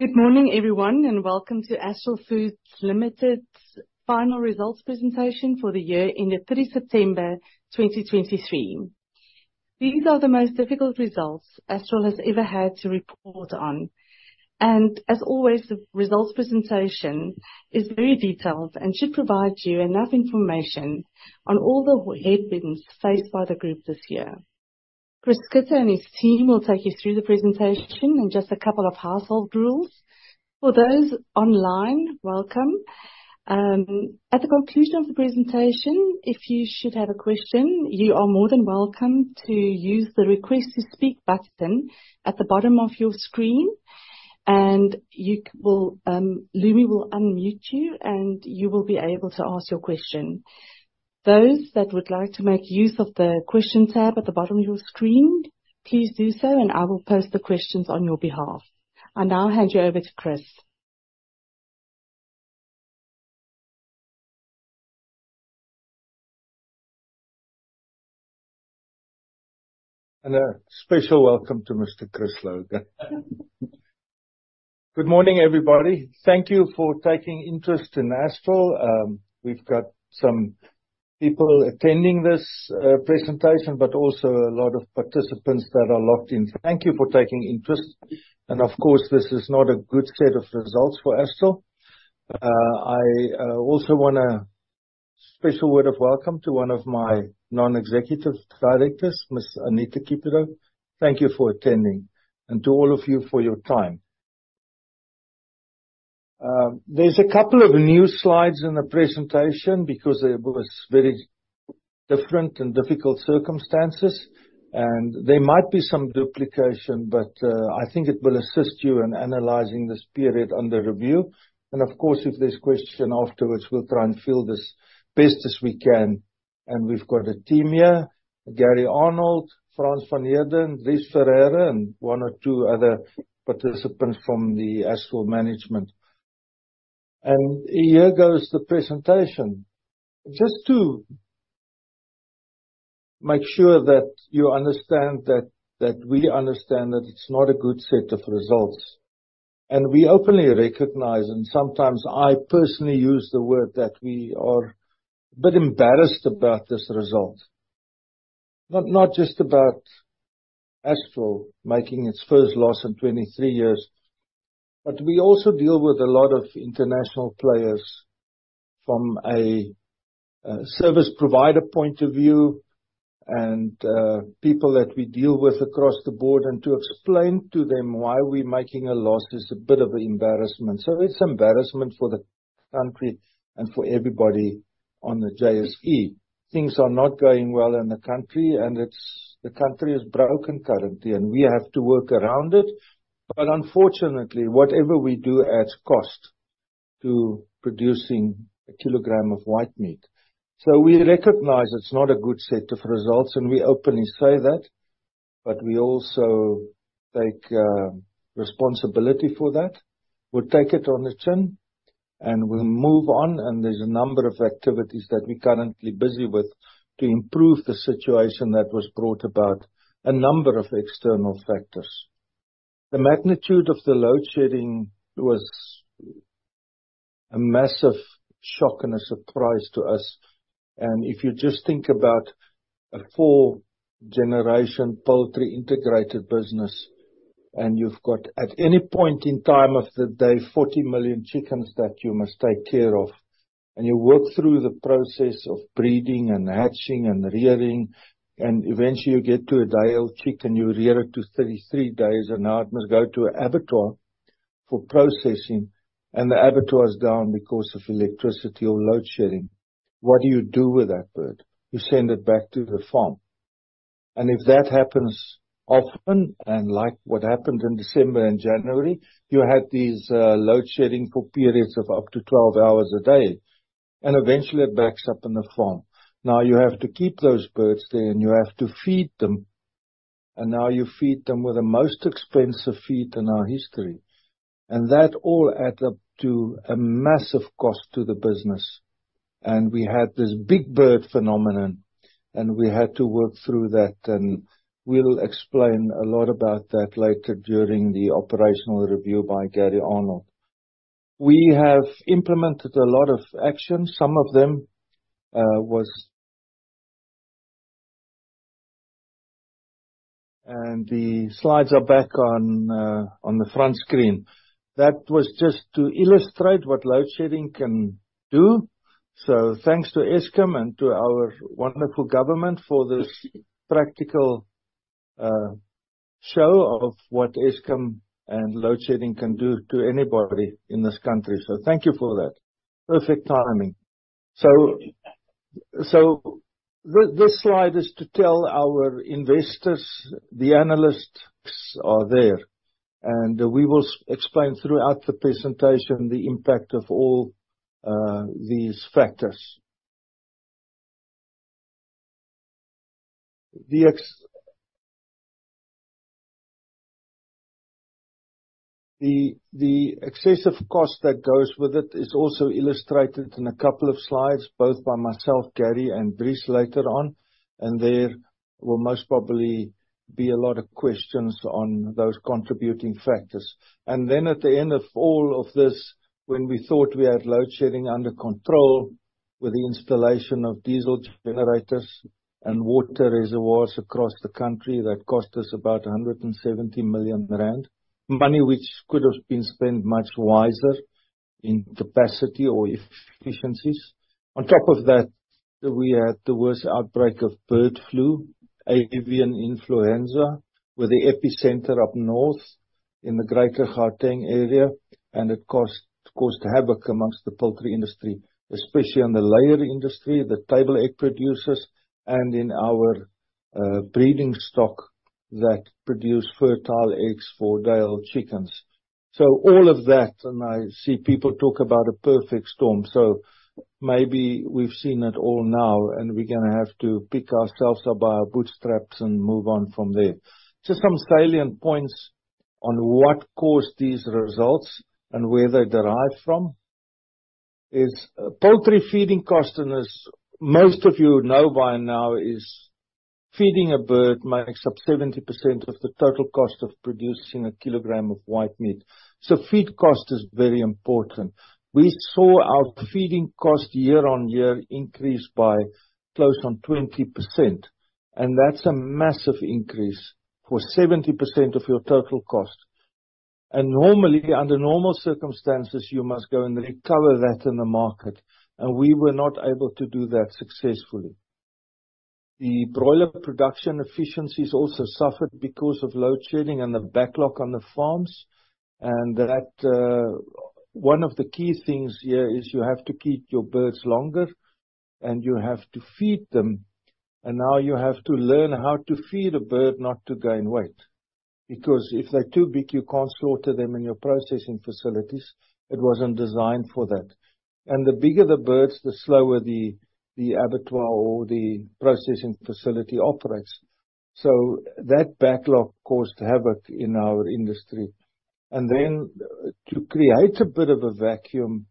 Good morning, everyone, and welcome to Astral Foods Limited's final results presentation for the year ended 30 September 2023. These are the most difficult results Astral has ever had to report on, and as always, the results presentation is very detailed and should provide you enough information on all the headwinds faced by the group this year. Chris Schutte and his team will take you through the presentation, and just a couple of household rules. For those online, welcome. At the conclusion of the presentation, if you should have a question, you are more than welcome to use the Request to Speak button at the bottom of your screen, and you will, Lumi will unmute you, and you will be able to ask your question. Those that would like to make use of the Question tab at the bottom of your screen, please do so, and I will post the questions on your behalf. I now hand you over to Chris. And a special welcome to Mr. Chris Logan. Good morning, everybody. Thank you for taking interest in Astral. We've got some people attending this presentation, but also a lot of participants that are logged in. Thank you for taking interest, and of course, this is not a good set of results for Astral. I also want a special word of welcome to one of my non-executive directors, Ms. Anita Cupido. Thank you for attending, and to all of you for your time. There's a couple of new slides in the presentation because it was very different and difficult circumstances, and there might be some duplication, but I think it will assist you in analyzing this period under review. And of course, if there's question afterwards, we'll try and fill this best as we can. And we've got a team here, Gary Arnold, Frans van Heerden, Dries Ferreira, and one or two other participants from the Astral management. And here goes the presentation. Just to make sure that you understand that, that we understand that it's not a good set of results. And we openly recognize, and sometimes I personally use the word, that we are a bit embarrassed about this result. Not, not just about Astral making its first loss in 23 years, but we also deal with a lot of international players from a service provider point of view and people that we deal with across the board, and to explain to them why we're making a loss is a bit of an embarrassment. So it's embarrassment for the country and for everybody on the JSE. Things are not going well in the country, and it's... The country is broken currently, and we have to work around it. But unfortunately, whatever we do adds cost to producing a kilogram of white meat. So we recognize it's not a good set of results, and we openly say that, but we also take responsibility for that. We take it on the chin, and we move on, and there's a number of activities that we're currently busy with to improve the situation that was brought about a number of external factors. The magnitude of the load shedding was a massive shock and a surprise to us. If you just think about a four-generation poultry integrated business, and you've got, at any point in time of the day, 40 million chickens that you must take care of, and you work through the process of breeding and hatching and rearing, and eventually you get to a day-old chick, and you rear it to 33 days, and now it must go to an abattoir for processing, and the abattoir is down because of electricity or load shedding. What do you do with that bird? You send it back to the farm. If that happens often, and like what happened in December and January, you had these load shedding for periods of up to 12 hours a day, and eventually it backs up in the farm. Now, you have to keep those birds there, and you have to feed them, and now you feed them with the most expensive feed in our history. And that all add up to a massive cost to the business. And we had this big bird phenomenon, and we had to work through that, and we'll explain a lot about that later during the operational review by Gary Arnold. We have implemented a lot of actions. Some of them was. And the slides are back on, on the front screen. That was just to illustrate what load shedding can do. So thanks to Eskom and to our wonderful government for this practical, show of what Eskom and load shedding can do to anybody in this country. So thank you for that. Perfect timing. So, this slide is to tell our investors, the analysts are there, and we will explain throughout the presentation the impact of all these factors. The excessive cost that goes with it is also illustrated in a couple of slides, both by myself, Gary, and Dries, later on, and there will most probably be a lot of questions on those contributing factors. Then at the end of all of this, when we thought we had load shedding under control with the installation of diesel generators and water reservoirs across the country, that cost us about 170 million rand. Money which could have been spent much wiser in capacity or efficiencies. On top of that, we had the worst outbreak of bird flu, avian influenza, with the epicenter up north in the Greater Gauteng area, and it caused havoc among the poultry industry, especially in the layer industry, the table egg producers, and in our breeding stock that produce fertile eggs for day-old chickens. So all of that, and I see people talk about a perfect storm, so maybe we've seen it all now, and we're gonna have to pick ourselves up by our bootstraps and move on from there. Just some salient points on what caused these results and where they derived from is poultry feeding cost, and as most of you know by now, is feeding a bird makes up 70% of the total cost of producing a kilogram of white meat. So feed cost is very important. We saw our feeding cost year-on-year increase by close on 20%, and that's a massive increase for 70% of your total cost. Normally, under normal circumstances, you must go and recover that in the market, and we were not able to do that successfully. The broiler production efficiencies also suffered because of load shedding and the backlog on the farms, and that. One of the key things here is you have to keep your birds longer, and you have to feed them, and now you have to learn how to feed a bird not to gain weight, because if they're too big, you can't slaughter them in your processing facilities. It wasn't designed for that. And the bigger the birds, the slower the abattoir or the processing facility operates. So that backlog caused havoc in our industry. And then to create a bit of a vacuum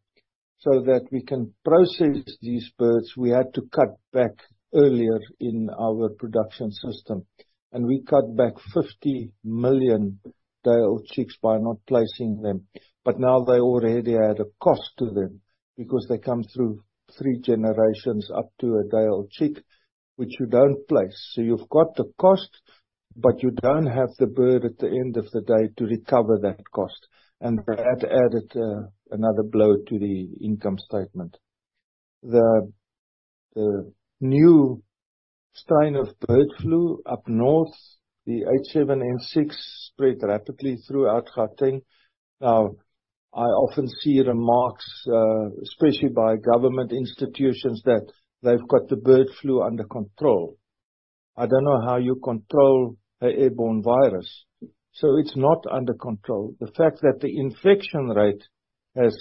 so that we can process these birds, we had to cut back earlier in our production system, and we cut back 50 million day-old chicks by not placing them. But now they already had a cost to them because they come through three generations up to a day-old chick, which you don't place. So you've got the cost, but you don't have the bird at the end of the day to recover that cost, and that added another blow to the income statement. The new strain of bird flu up north, the H7N6, spread rapidly throughout Gauteng. Now, I often see remarks, especially by government institutions, that they've got the bird flu under control. I don't know how you control an airborne virus. So it's not under control. The fact that the infection rate has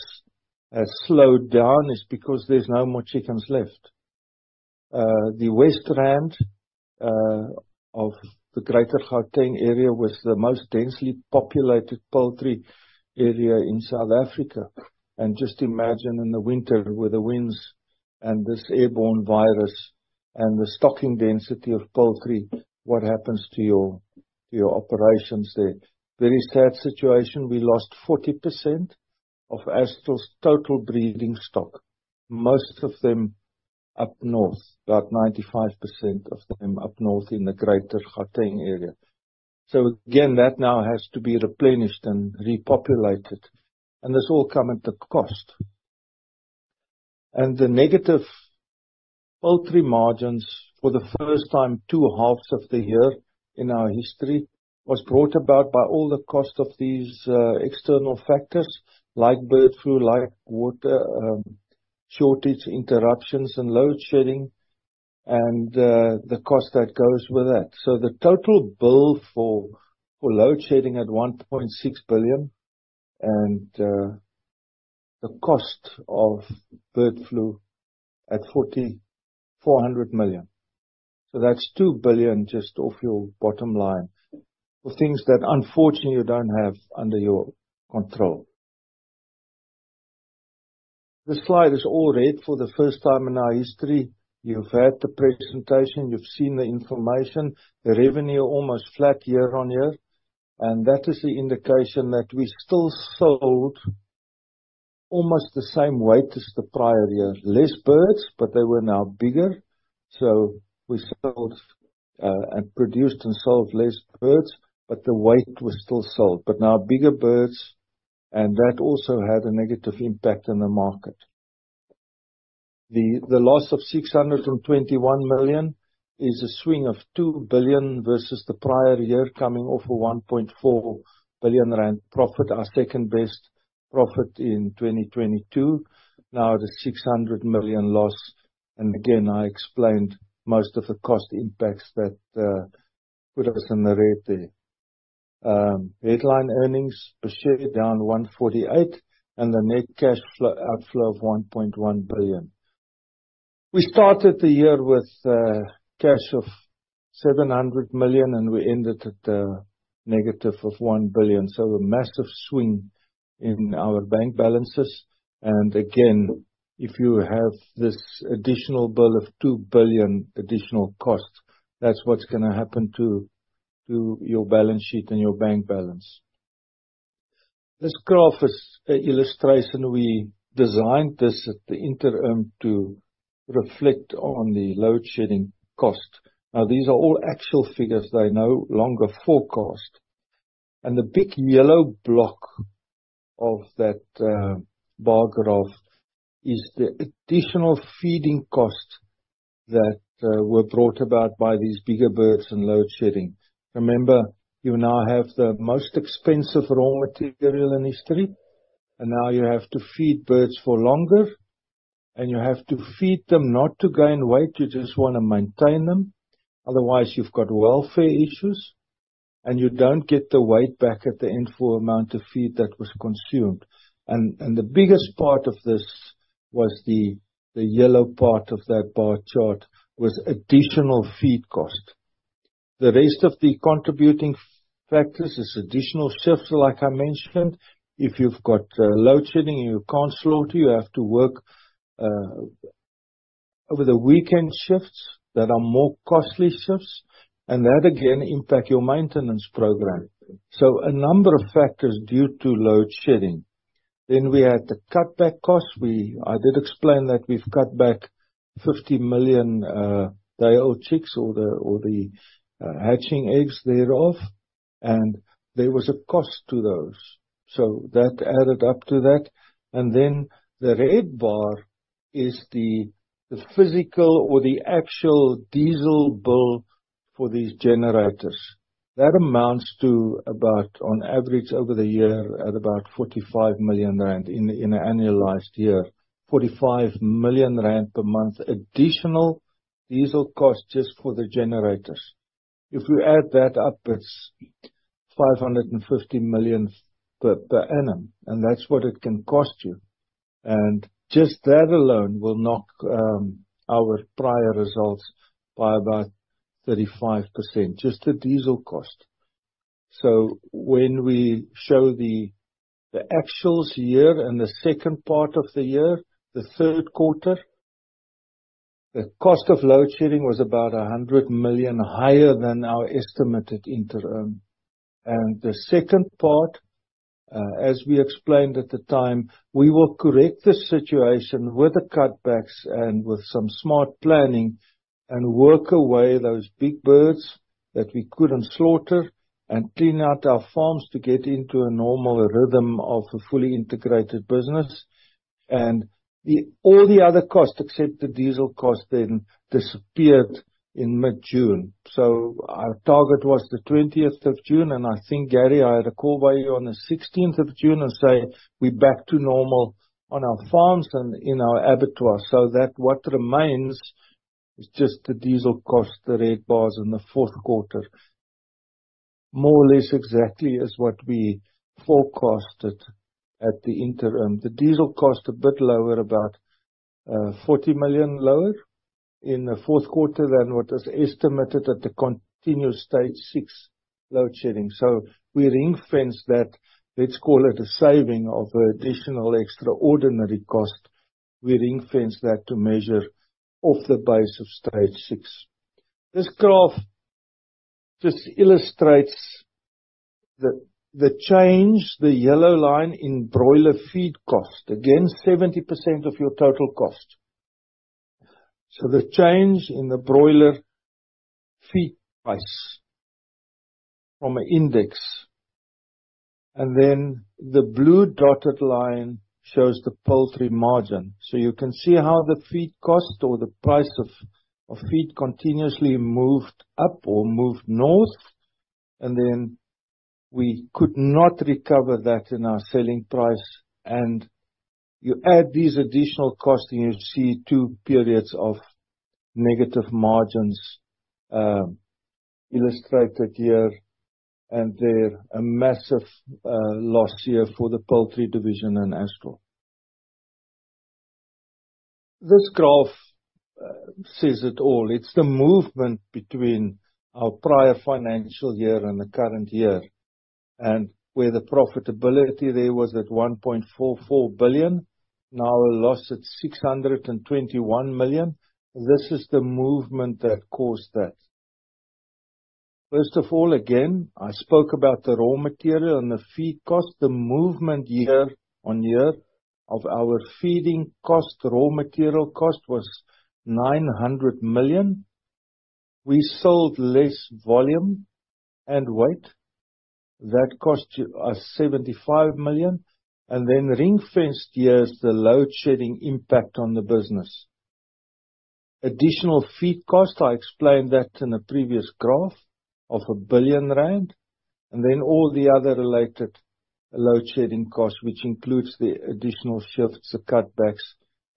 slowed down is because there's no more chickens left. The West Rand of the Greater Gauteng area was the most densely populated poultry area in South Africa. And just imagine in the winter with the winds and this airborne virus and the stocking density of poultry, what happens to your operations there? Very sad situation, we lost 40% of Astral's total breeding stock, most of them up north. About 95% of them up north in the Greater Gauteng area. So again, that now has to be replenished and repopulated, and this all come at a cost. The negative poultry margins for the first time, 2 halves of the year in our history, was brought about by all the cost of these, external factors like bird flu, like water, shortage, interruptions, and load shedding, and, the cost that goes with that. So the total bill for load shedding at 1.6 billion, and, the cost of bird flu at 400 million. So that's 2 billion just off your bottom line, for things that unfortunately you don't have under your control. This slide is all red for the first time in our history. You've had the presentation, you've seen the information. The revenue almost flat year-on-year, and that is the indication that we still sold almost the same weight as the prior year. Less birds, but they were now bigger. So we sold and produced and sold less birds, but the weight was still sold. But now bigger birds, and that also had a negative impact on the market. The loss of 621 million is a swing of 2 billion versus the prior year, coming off a 1.4 billion rand and profit, our second best profit in 2022. Now at a 600 million loss, and again, I explained most of the cost impacts that put us in the red there. Headline earnings per share down 148, and the net cash flow outflow of 1.1 billion. We started the year with cash of 700 million, and we ended at negative of 1 billion. So a massive swing in our bank balances. Again, if you have this additional bill of 2 billion additional costs, that's what's gonna happen to your balance sheet and your bank balance. This graph is an illustration. We designed this at the interim to reflect on the load shedding cost. Now, these are all actual figures, they're no longer forecast. The big yellow block of that bar graph is the additional feeding costs that were brought about by these bigger birds and load shedding. Remember, you now have the most expensive raw material in history, and now you have to feed birds for longer, and you have to feed them not to gain weight, you just wanna maintain them, otherwise you've got welfare issues, and you don't get the weight back at the end for amount of feed that was consumed. And the biggest part of this was the yellow part of that bar chart, was additional feed cost. The rest of the contributing factors is additional shifts, like I mentioned. If you've got load shedding and you can't slaughter, you have to work over the weekend shifts that are more costly shifts, and that again impact your maintenance program. So a number of factors due to load shedding. Then we had to cut back costs. We—I did explain that we've cut back 50 million day-old chicks or the hatching eggs thereof, and there was a cost to those. So that added up to that. And then the red bar is the physical or the actual diesel bill for these generators. That amounts to about, on average, over the year, at about 45 million rand in an annualized year. 45 million rand per month, additional diesel costs just for the generators. If you add that up, it's 550 million per annum, and that's what it can cost you. And just that alone will knock our prior results by about 35%, just the diesel cost. So when we show the actuals year and the second part of the year, the third quarter, the cost of load shedding was about 100 million higher than our estimated interim. And the second part, as we explained at the time, we will correct the situation with the cutbacks and with some smart planning, and work away those big birds that we couldn't slaughter, and clean out our farms to get into a normal rhythm of a fully integrated business. And all the other costs, except the diesel cost, then disappeared in mid-June. So our target was the 20th of June, and I think, Gary, I had a call by you on the 16th of June and say, "We're back to normal on our farms and in our abattoir." So that what remains is just the diesel cost, the red bars in the fourth quarter. More or less exactly as what we forecasted at the interim. The diesel cost a bit lower, about 40 million lower in the fourth quarter than what is estimated at the continuous stage six load shedding. So we ring-fence that, let's call it a saving of additional extraordinary cost. We ring-fence that to measure off the base of stage six. This graph just illustrates the change, the yellow line in broiler feed cost, again, 70% of your total cost. So the change in the broiler feed price from an index. Then the blue dotted line shows the poultry margin. You can see how the feed cost or the price of feed continuously moved up or moved north, and then we could not recover that in our selling price. You add these additional costs, and you see two periods of negative margins illustrated here and there, a massive loss year for the poultry division in Astral. This graph says it all. It's the movement between our prior financial year and the current year, and where the profitability there was at 1.44 billion, now a loss at 621 million. This is the movement that caused that. First of all, again, I spoke about the raw material and the feed cost. The movement year-over-year of our feeding cost, raw material cost, was 900 million. We sold less volume and weight. That cost us 75 million, and then ring-fenced here is the load shedding impact on the business. Additional feed cost, I explained that in a previous graph, of 1 billion rand, and then all the other related load shedding costs, which includes the additional shifts, the cutbacks,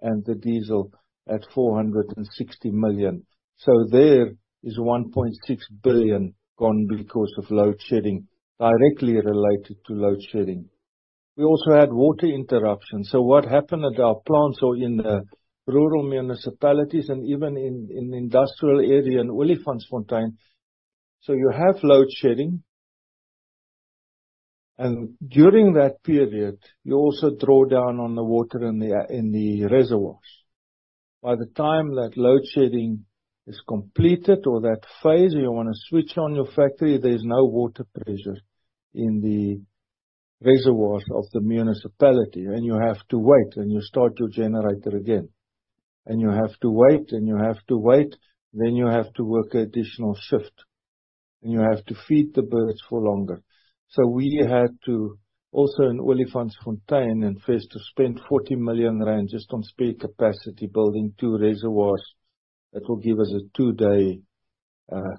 and the diesel at 460 million. So there is 1.6 billion gone because of load shedding, directly related to load shedding. We also had water interruptions. So what happened at our plants or in the rural municipalities and even in, in industrial area in Olifantsfontein, so you have load shedding, and during that period, you also draw down on the water in the, in the reservoirs. By the time that load shedding is completed or that phase, you want to switch on your factory, there's no water pressure in the reservoirs of the municipality, and you have to wait, and you have to wait, and you have to wait, then you have to work an additional shift, and you have to feed the birds for longer. So we had to also, in Olifantsfontein and Vrystaat, spend 40 million rand just on spare capacity, building two reservoirs that will give us a two-day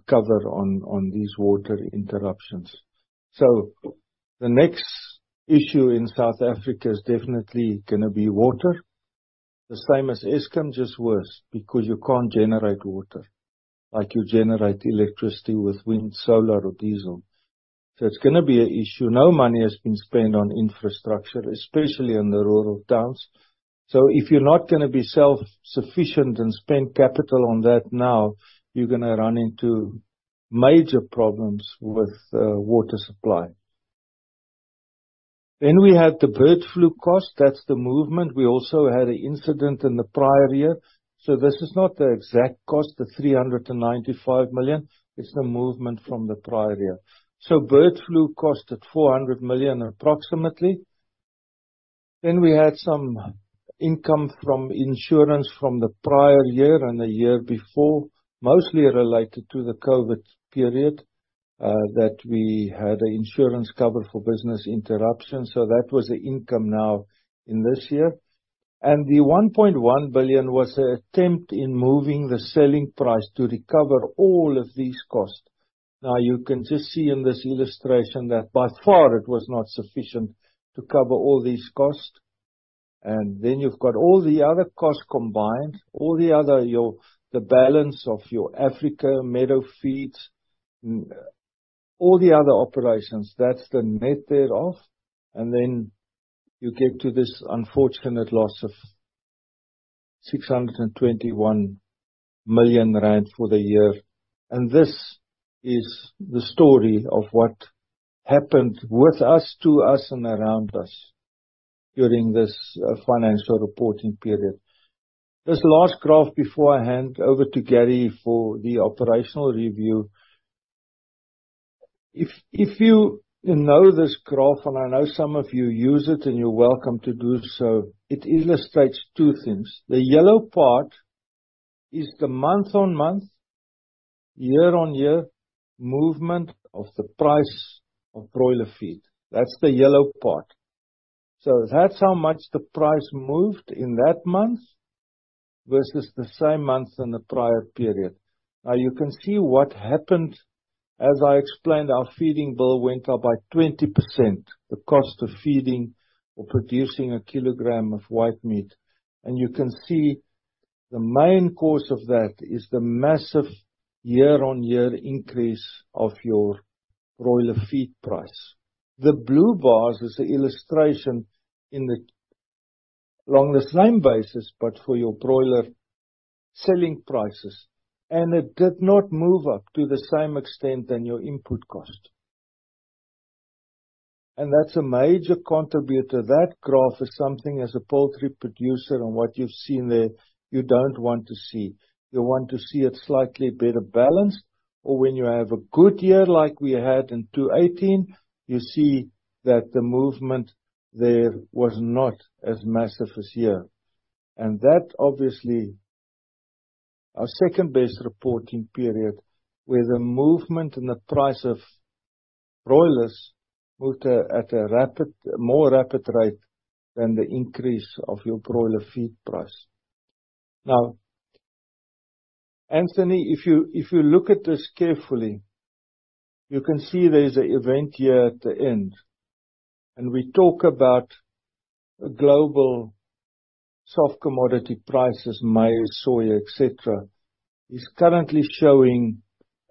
cover on, on these water interruptions. So the next issue in South Africa is definitely gonna be water. The same as Eskom, just worse, because you can't generate water like you generate electricity with wind, solar, or diesel. So it's gonna be an issue. No money has been spent on infrastructure, especially in the rural towns. So if you're not gonna be self-sufficient and spend capital on that now, you're gonna run into major problems with water supply. Then we have the bird flu cost. That's the movement. We also had an incident in the prior year. So this is not the exact cost, 395 million; it's the movement from the prior year. So bird flu cost us 400 million approximately. Then we had some income from insurance from the prior year and the year before, mostly related to the COVID period, that we had an insurance cover for business interruption, so that was the income now in this year. And 1.1 billion was an attempt in moving the selling price to recover all of these costs. Now, you can just see in this illustration that by far it was not sufficient to cover all these costs. Then you've got all the other costs combined, all the other... the balance of your Africa, Meadow Feeds, all the other operations, that's the net thereof. Then you get to this unfortunate loss of 621 million rand for the year. This is the story of what happened with us, to us, and around us during this financial reporting period. This last graph, before I hand over to Gary for the operational review, if you know this graph, and I know some of you use it, and you're welcome to do so, it illustrates two things. The yellow part is the month-on-month, year-on-year movement of the price of broiler feed. That's the yellow part. So that's how much the price moved in that month versus the same month in the prior period. Now, you can see what happened. As I explained, our feeding bill went up by 20%, the cost of feeding or producing a kilogram of white meat. And you can see the main cause of that is the massive year-on-year increase of your broiler feed price. The blue bars is an illustration along the same basis, but for your broiler selling prices, and it did not move up to the same extent than your input cost. And that's a major contributor. That graph is something, as a poultry producer, and what you've seen there, you don't want to see. You want to see it slightly better balanced, or when you have a good year, like we had in 2018, you see that the movement there was not as massive as here. And that, obviously, our second best reporting period, where the movement and the price of broilers moved at a more rapid rate than the increase of your broiler feed price. Now, Anthony, if you look at this carefully, you can see there's an event here at the end. And we talk about global soft commodity prices, maize, soya, etc., is currently showing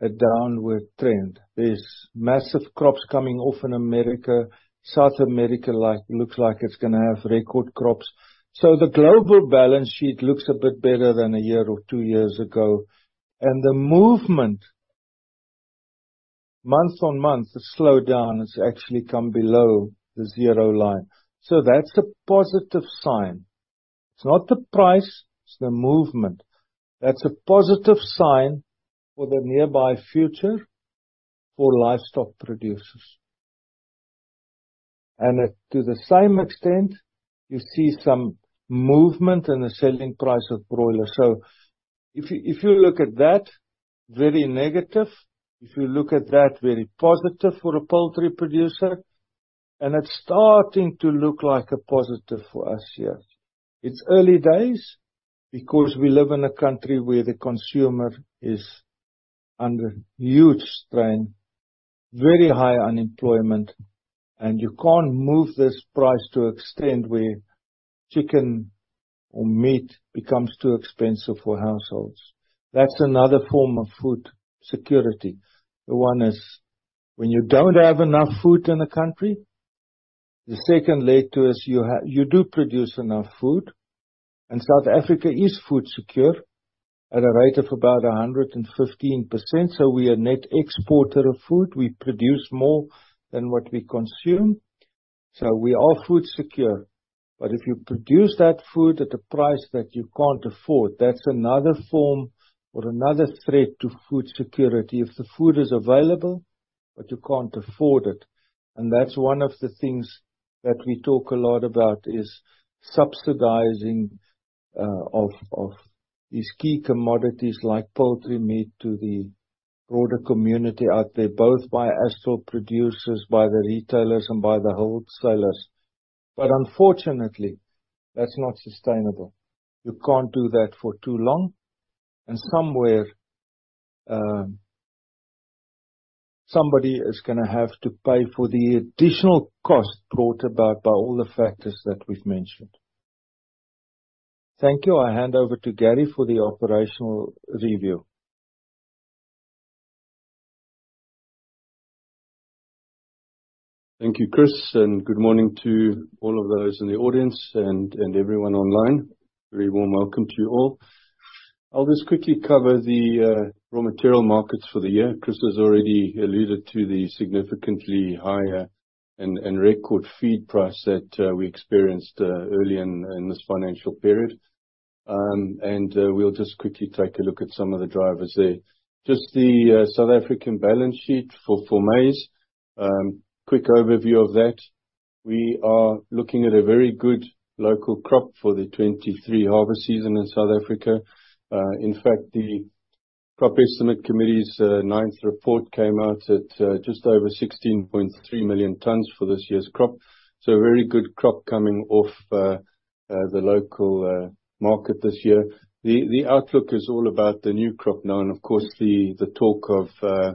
a downward trend. There's massive crops coming off in America. South America looks like it's gonna have record crops. So the global balance sheet looks a bit better than a year or two years ago. The movement month-on-month, the slowdown has actually come below the zero line. That's a positive sign. It's not the price, it's the movement. That's a positive sign for the nearby future for livestock producers. And to the same extent, you see some movement in the selling price of broilers. So if you look at that, very negative. If you look at that, very positive for a poultry producer, and it's starting to look like a positive for us here. It's early days because we live in a country where the consumer is under huge strain, very high unemployment, and you can't move this price to the extent where chicken or meat becomes too expensive for households. That's another form of food security. The one is when you don't have enough food in a country. The second layer to is you do produce enough food, and South Africa is food secure at a rate of about 115%. So we are a net exporter of food. We produce more than what we consume. So we are food secure, but if you produce that food at a price that you can't afford, that's another form or another threat to food security. If the food is available, but you can't afford it. And that's one of the things that we talk a lot about, is subsidizing of these key commodities, like poultry meat, to the broader community out there, both by Astral producers, by the retailers, and by the wholesalers. But unfortunately, that's not sustainable. You can't do that for too long, and somewhere, somebody is gonna have to pay for the additional cost brought about by all the factors that we've mentioned. Thank you. I hand over to Gary for the operational review. Thank you, Chris, and good morning to all of those in the audience and everyone online. A very warm welcome to you all. I'll just quickly cover the raw material markets for the year. Chris has already alluded to the significantly higher and record feed price that we experienced early in this financial period. We'll just quickly take a look at some of the drivers there. Just the South African balance sheet for maize. Quick overview of that. We are looking at a very good local crop for the 2023 harvest season in South Africa. In fact, the Crop Estimates Committee's ninth report came out at just over 16.3 million tons for this year's crop. So very good crop coming off the local market this year. The outlook is all about the new crop now, and of course, the talk of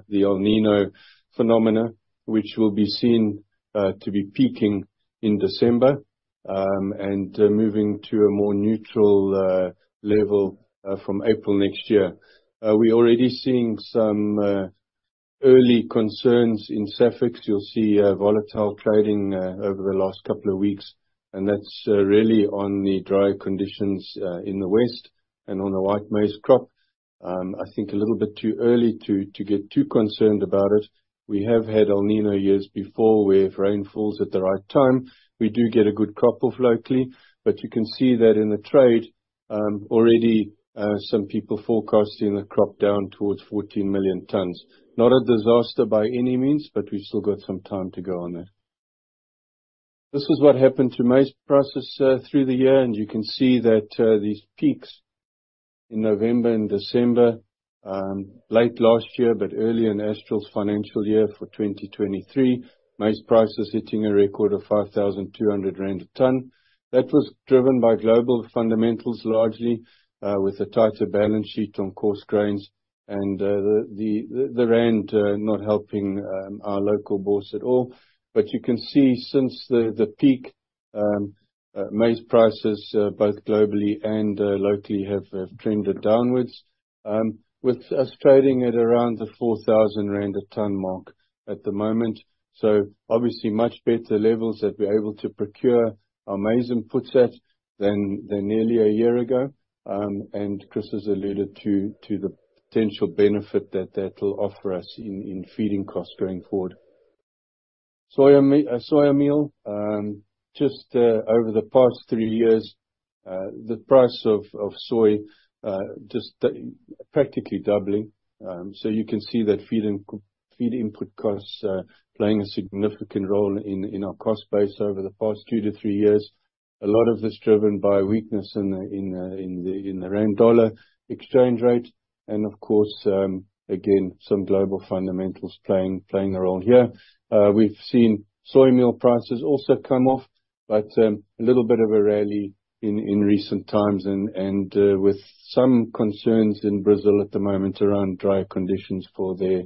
the El Niño phenomena, which will be seen to be peaking in December. And moving to a more neutral level from April next year. We're already seeing some early concerns in SAFEX. You'll see volatile trading over the last couple of weeks, and that's really on the dry conditions in the west and on the white maize crop. I think a little bit too early to get too concerned about it. We have had El Niño years before, where if rain falls at the right time, we do get a good crop locally. But you can see that in the trade already some people forecasting the crop down towards 14 million tons. Not a disaster by any means, but we've still got some time to go on there. This is what happened to maize prices through the year, and you can see that these peaks in November and December late last year, but early in Astral's financial year for 2023, maize prices hitting a record of 5,200 rand a ton. That was driven by global fundamentals, largely, with a tighter balance sheet on coarse grains, and the rand not helping our local bourse at all. But you can see since the peak, maize prices both globally and locally have trended downwards. With us trading at around the 4,000 rand a ton mark at the moment. Obviously, much better levels that we're able to procure our maize inputs at than nearly a year ago. Chris has alluded to the potential benefit that will offer us in feeding costs going forward. Soya meal just over the past three years the price of soy just practically doubling. So you can see that feed input costs playing a significant role in our cost base over the past two to three years. A lot of this driven by weakness in the rand/dollar exchange rate, and of course, again, some global fundamentals playing a role here. We've seen soya meal prices also come off, but a little bit of a rally in recent times and with some concerns in Brazil at the moment around dry conditions for their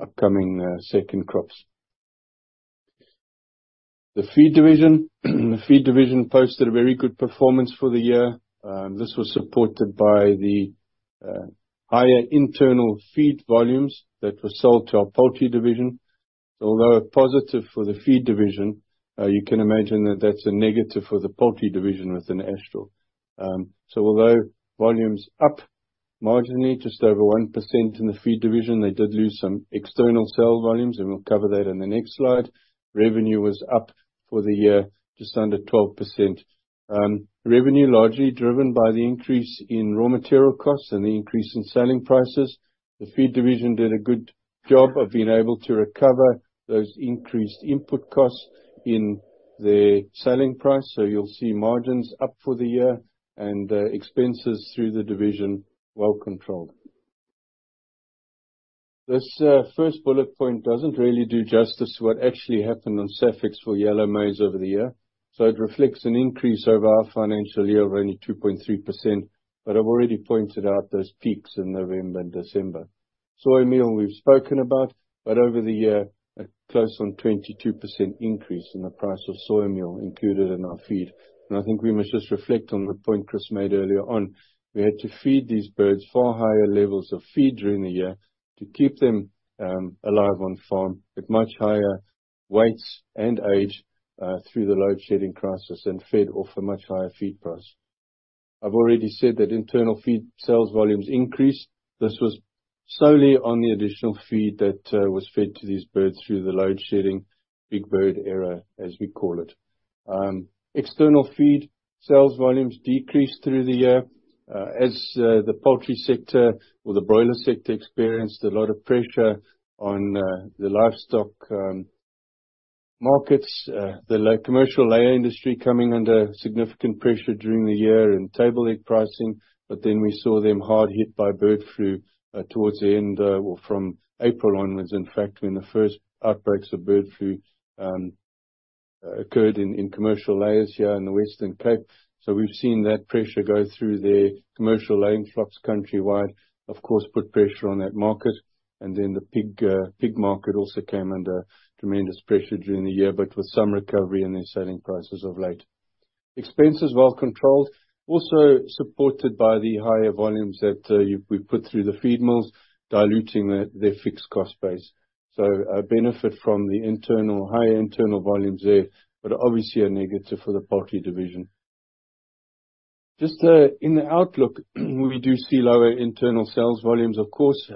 upcoming second crops. The feed division posted a very good performance for the year. This was supported by the higher internal feed volumes that were sold to our poultry division. So although positive for the feed division, you can imagine that that's a negative for the poultry division within Astral. So although volumes up marginally, just over 1% in the feed division, they did lose some external sale volumes, and we'll cover that in the next slide. Revenue was up for the year, just under 12%. Revenue largely driven by the increase in raw material costs and the increase in selling prices. The feed division did a good job of being able to recover those increased input costs in their selling price, so you'll see margins up for the year and, expenses through the division, well controlled. This, first bullet point doesn't really do justice to what actually happened on SAFEX for yellow maize over the year. So it reflects an increase over our financial year of only 2.3%, but I've already pointed out those peaks in November and December. Soya meal, we've spoken about, but over the year, a close on 22% increase in the price of soya meal included in our feed. And I think we must just reflect on the point Chris made earlier on. We had to feed these birds far higher levels of feed during the year to keep them, alive on farm, at much higher weights and age, through the load shedding crisis, and fed off a much higher feed price.... I've already said that internal feed sales volumes increased. This was solely on the additional feed that, was fed to these birds through the load shedding, big bird era, as we call it. External feed sales volumes decreased through the year, as the poultry sector or the broiler sector experienced a lot of pressure on the livestock markets. The commercial layer industry coming under significant pressure during the year in table egg pricing, but then we saw them hard hit by bird flu towards the end, or from April onwards, in fact, when the first outbreaks of bird flu occurred in commercial layers here in the Western Cape. So we've seen that pressure go through their commercial laying flocks countrywide, of course, put pressure on that market. And then the pig market also came under tremendous pressure during the year, but with some recovery in their selling prices of late. Expenses well controlled, also supported by the higher volumes that we've put through the feed mills, diluting their fixed cost base. So a benefit from the high internal volumes there, but obviously a negative for the poultry division. Just, in the outlook, we do see lower internal sales volumes, of course.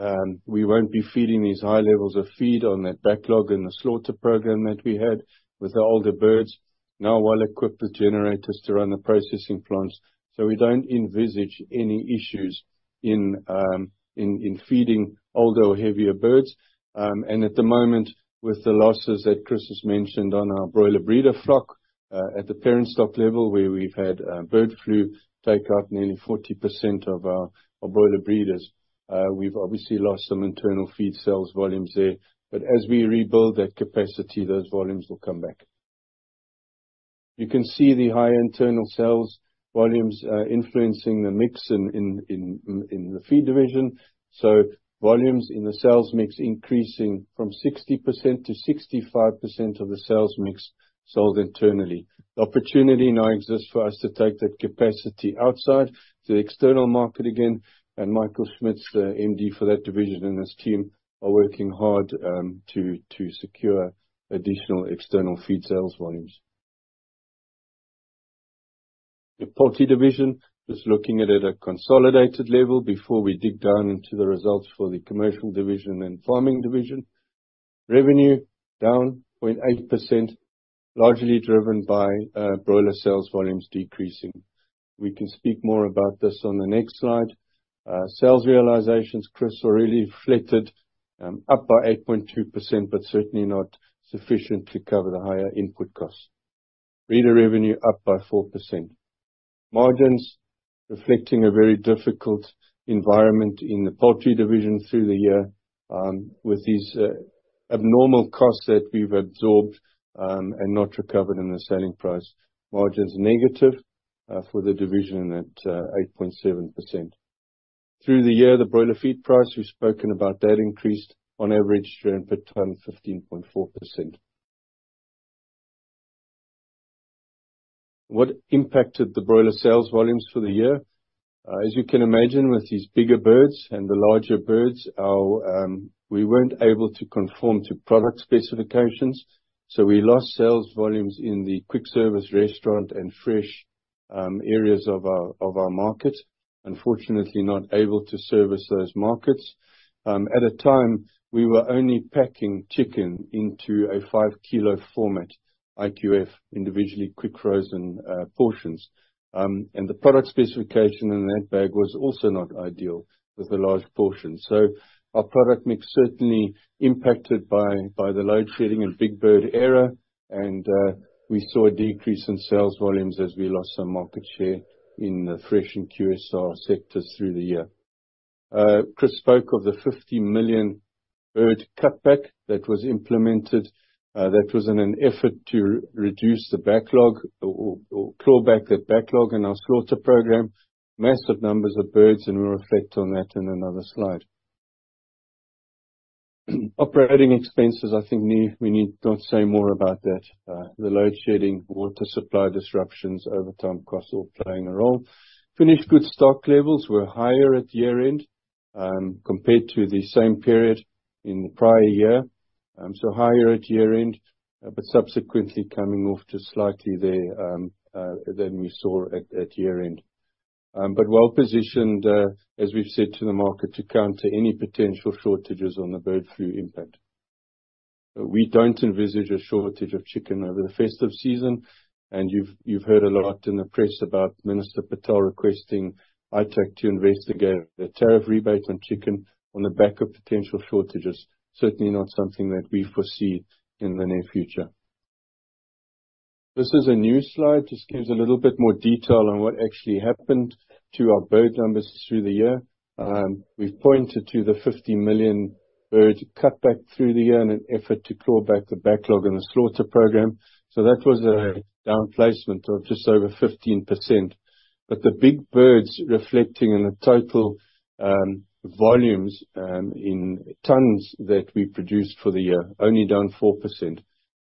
We won't be feeding these high levels of feed on that backlog and the slaughter program that we had with the older birds. Now well-equipped with generators to run the processing plants, so we don't envisage any issues in feeding older or heavier birds. And at the moment, with the losses that Chris has mentioned on our broiler breeder flock, at the parent stock level, where we've had bird flu take out nearly 40% of our broiler breeders, we've obviously lost some internal feed sales volumes there. But as we rebuild that capacity, those volumes will come back. You can see the high internal sales volumes influencing the mix in the feed division. So volumes in the sales mix increasing from 60%-65% of the sales mix sold internally. The opportunity now exists for us to take that capacity outside to the external market again, and Michael Schmitz, the MD for that division, and his team, are working hard to secure additional external feed sales volumes. The poultry division, just looking at it at a consolidated level before we dig down into the results for the commercial division and farming division. Revenue down 0.8%, largely driven by broiler sales volumes decreasing. We can speak more about this on the next slide. Sales realizations, Chris already reflected up by 8.2%, but certainly not sufficient to cover the higher input costs. Breeder revenue up by 4%. Margins reflecting a very difficult environment in the poultry division through the year, with these abnormal costs that we've absorbed, and not recovered in the selling price. Margins negative for the division at 8.7%. Through the year, the broiler feed price, we've spoken about that, increased on average rand per ton 15.4%. What impacted the broiler sales volumes for the year? As you can imagine, with these bigger birds and the larger birds, our We weren't able to conform to product specifications, so we lost sales volumes in the quick service restaurant and fresh areas of our, of our market. Unfortunately, not able to service those markets. At the time, we were only packing chicken into a 5-kilo format, IQF, individually quick frozen portions. And the product specification in that bag was also not ideal for the large portion. So our product mix certainly impacted by the load shedding and big bird era, and we saw a decrease in sales volumes as we lost some market share in the fresh and QSR sectors through the year. Chris spoke of the 50 million-bird cutback that was implemented. That was in an effort to reduce the backlog or claw back that backlog in our slaughter program. Massive numbers of birds, and we'll reflect on that in another slide. Operating expenses, I think we need not say more about that. The load shedding, water supply disruptions, overtime costs, all playing a role. Finished goods stock levels were higher at year-end, compared to the same period in the prior year. So higher at year-end, but subsequently coming off just slightly there than we saw at year-end. But well-positioned, as we've said to the market, to counter any potential shortages on the bird flu impact. We don't envisage a shortage of chicken over the festive season, and you've heard a lot in the press about Minister Patel requesting ITAC to investigate the tariff rebate on chicken on the back of potential shortages. Certainly not something that we foresee in the near future. This is a new slide. Just gives a little bit more detail on what actually happened to our bird numbers through the year. We've pointed to the 50 million-bird cutback through the year in an effort to claw back the backlog in the slaughter program. So that was a down placement of just over 15%. But the big birds reflecting in the total volumes in tons that we produced for the year, only down 4%.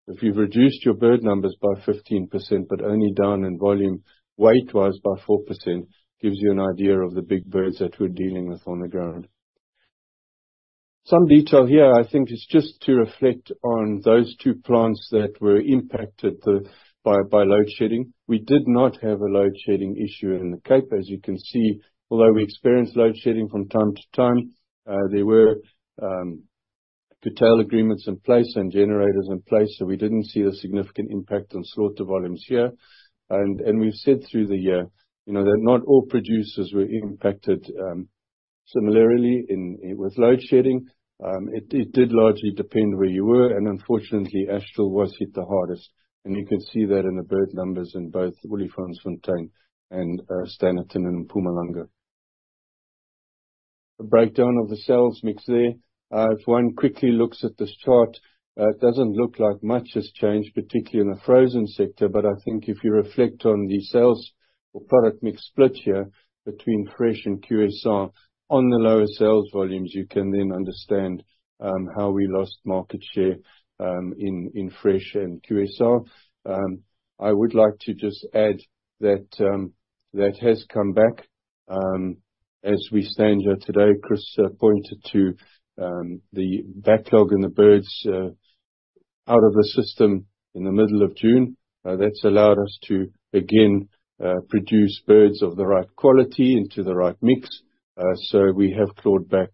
If you've reduced your bird numbers by 15%, but only down in volume, weightwise, by 4%, gives you an idea of the big birds that we're dealing with on the ground. Some detail here, I think, is just to reflect on those two plants that were impacted by load shedding. We did not have a load shedding issue in the Cape, as you can see, although we experienced load shedding from time to time, there were curtail agreements in place and generators in place, so we didn't see the significant impact on slaughter volumes here. And we've said through the year, you know, that not all producers were impacted similarly with load shedding. It did largely depend where you were, and unfortunately, Astral was hit the hardest. You can see that in the bird numbers in both Wilgefontein and Standerton in Mpumalanga. A breakdown of the sales mix there. If one quickly looks at this chart, it doesn't look like much has changed, particularly in the frozen sector, but I think if you reflect on the sales or product mix split here between fresh and QSR, on the lower sales volumes, you can then understand how we lost market share in fresh and QSR. I would like to just add that that has come back. As we stand here today, Chris pointed to the backlog in the birds out of the system in the middle of June. That's allowed us to again produce birds of the right quality into the right mix. So we have clawed back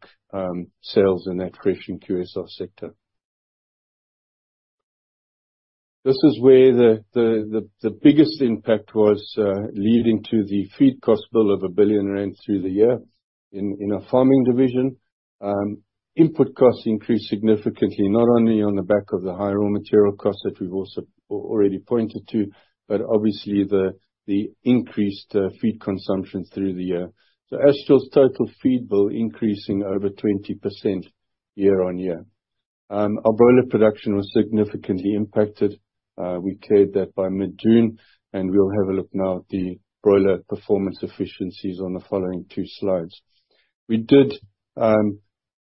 sales in that fresh and QSR sector. This is where the biggest impact was, leading to the feed cost bill of 1 billion rand through the year in our farming division. Input costs increased significantly, not only on the back of the high raw material costs that we've also already pointed to, but obviously the increased feed consumption through the year. So Astral's total feed bill increasing over 20% year-on-year. Our broiler production was significantly impacted. We cleared that by mid-June, and we'll have a look now at the broiler performance efficiencies on the following two slides. We did,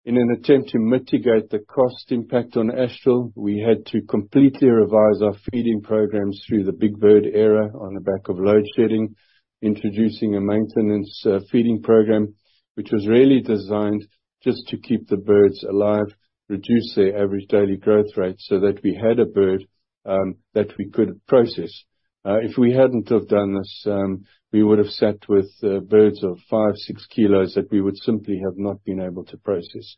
in an attempt to mitigate the cost impact on Astral, we had to completely revise our feeding programs through the big bird era on the back of load shedding, introducing a maintenance feeding program, which was really designed just to keep the birds alive, reduce their average daily growth rate, so that we had a bird that we could process. If we hadn't have done this, we would have sat with birds of 5 kilos-6 kilos that we would simply have not been able to process.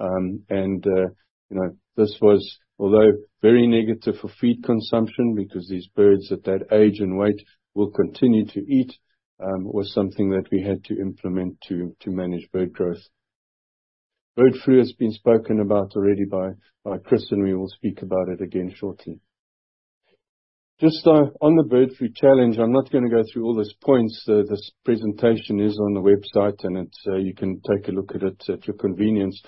And, you know, this was, although very negative for feed consumption, because these birds at that age and weight will continue to eat, was something that we had to implement to manage bird growth. Bird flu has been spoken about already by Chris, and we will speak about it again shortly. Just, on the bird flu challenge, I'm not gonna go through all those points. This presentation is on the website, and it, you can take a look at it at your convenience.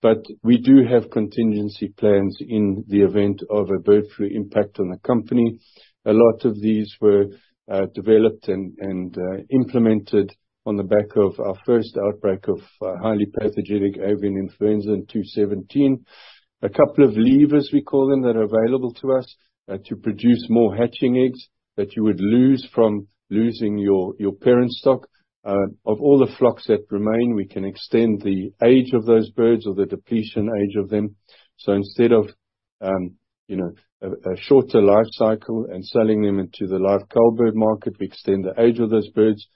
But we do have contingency plans in the event of a bird flu impact on the company. A lot of these were developed and implemented on the back of our first outbreak of highly pathogenic avian influenza in 2017. A couple of levers, we call them, that are available to us, to produce more hatching eggs that you would lose from losing your parent stock. Of all the flocks that remain, we can extend the age of those birds or the depletion age of them. So instead of, you know, a shorter life cycle and selling them into the live bird market, we extend the age of those birds,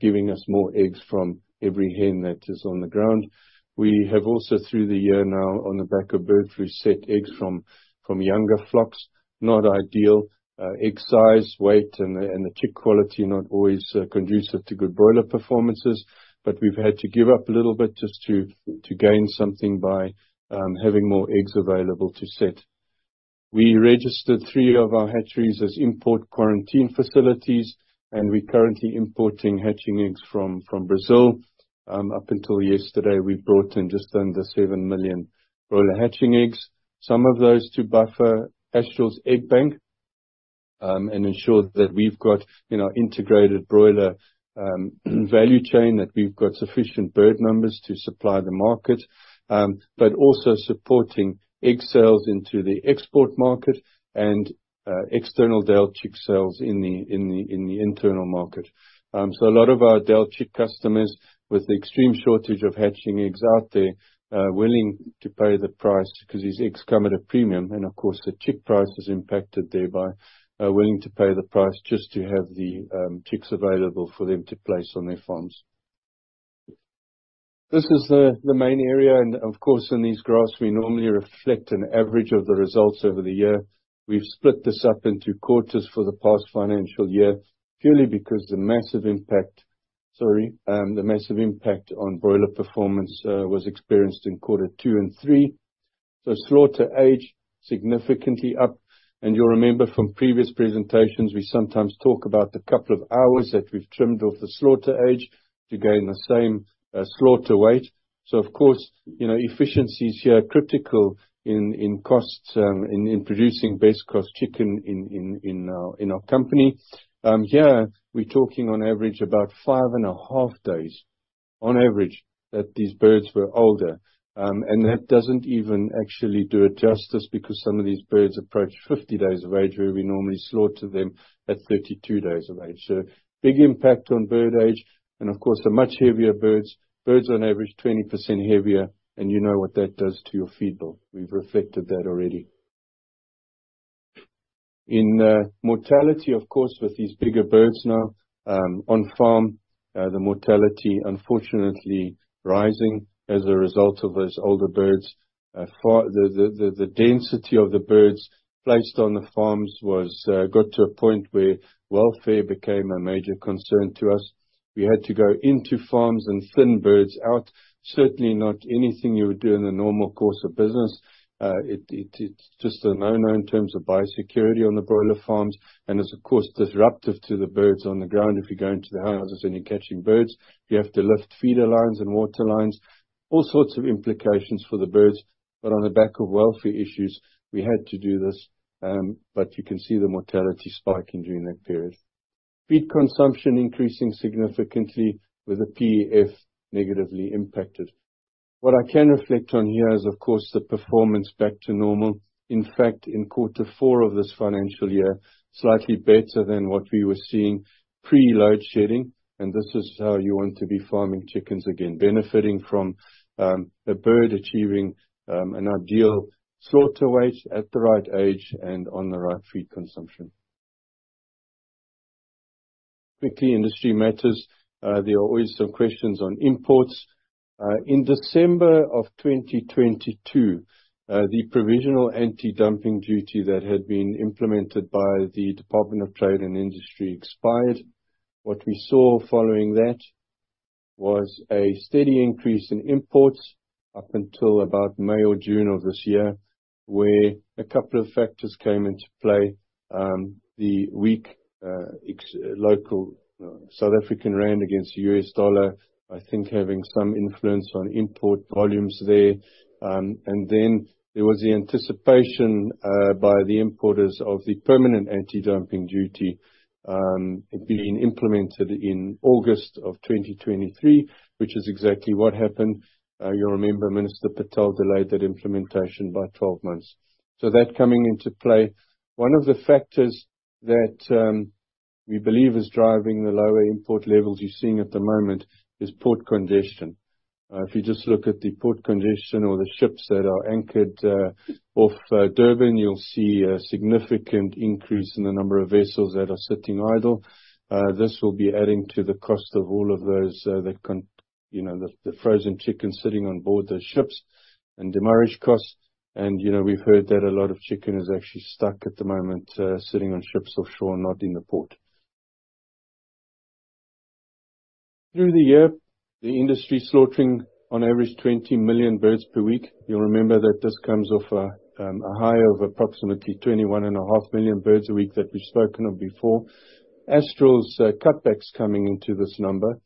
giving us more eggs from every hen that is on the ground. We have also, through the year now, on the back of bird flu, set eggs from younger flocks. Not ideal, egg size, weight, and the chick quality, not always conducive to good broiler performances, but we've had to give up a little bit just to gain something by having more eggs available to sit. We registered three of our hatcheries as import quarantine facilities, and we're currently importing hatching eggs from Brazil. Up until yesterday, we brought in just under 7 million broiler hatching eggs. Some of those to buffer Astral's egg bank, and ensure that we've got, in our integrated broiler value chain, that we've got sufficient bird numbers to supply the market. But also supporting egg sales into the export market and external day-old chick sales in the internal market. So a lot of our day-old chick customers, with the extreme shortage of hatching eggs out there, are willing to pay the price, because these eggs come at a premium, and of course, the chick price is impacted thereby. Are willing to pay the price just to have the chicks available for them to place on their farms. This is the main area, and of course, in these graphs, we normally reflect an average of the results over the year. We've split this up into quarters for the past financial year, purely because the massive impact on broiler performance was experienced in quarter two and three. So slaughter age, significantly up. And you'll remember from previous presentations, we sometimes talk about the couple of hours that we've trimmed off the slaughter age to gain the same slaughter weight. So of course, you know, efficiency is here critical in costs in producing best cost chicken in our company. Here, we're talking on average about 5.5 days, on average, that these birds were older. And that doesn't even actually do it justice, because some of these birds approach 50 days of age, where we normally slaughter them at 32 days of age. So big impact on bird age, and of course, the much heavier birds. Birds on average, 20% heavier, and you know what that does to your feed bill. We've reflected that already. In mortality, of course, with these bigger birds now, on farm, the mortality unfortunately rising as a result of those older birds. The density of the birds placed on the farms was got to a point where welfare became a major concern to us. We had to go into farms and thin birds out. Certainly not anything you would do in the normal course of business. It's just a no-no in terms of biosecurity on the broiler farms, and it's, of course, disruptive to the birds on the ground if you go into the houses and you're catching birds. You have to lift feeder lines and water lines. All sorts of implications for the birds, but on the back of welfare issues, we had to do this. But you can see the mortality spiking during that period. Feed consumption increasing significantly, with the PEF negatively impacted. What I can reflect on here is, of course, the performance back to normal. In fact, in quarter four of this financial year, slightly better than what we were seeing pre-load shedding, and this is how you want to be farming chickens again. Benefiting from, a bird achieving, an ideal slaughter weight at the right age, and on the right feed consumption. Quickly, industry matters. There are always some questions on imports. In December of 2022, the provisional anti-dumping duty that had been implemented by the Department of Trade and Industry expired. What we saw following that was a steady increase in imports up until about May or June of this year, where a couple of factors came into play. The weak exchange rate of the South African rand against the U.S. dollar, I think, having some influence on import volumes there. And then, there was the anticipation by the importers of the permanent anti-dumping duty being implemented in August of 2023, which is exactly what happened. You'll remember, Minister Patel delayed that implementation by 12 months. So that coming into play. One of the factors that we believe is driving the lower import levels you're seeing at the moment, is port congestion. If you just look at the port congestion or the ships that are anchored off Durban, you'll see a significant increase in the number of vessels that are sitting idle. This will be adding to the cost of all of those, that, you know, the frozen chicken sitting on board those ships, and demurrage costs. You know, we've heard that a lot of chicken is actually stuck at the moment, sitting on ships offshore, not in the port. Through the year, the industry slaughtering on average 20 million birds per week. You'll remember that this comes off a high of approximately 21.5 million birds a week, that we've spoken of before. Astral's cutbacks coming into this number.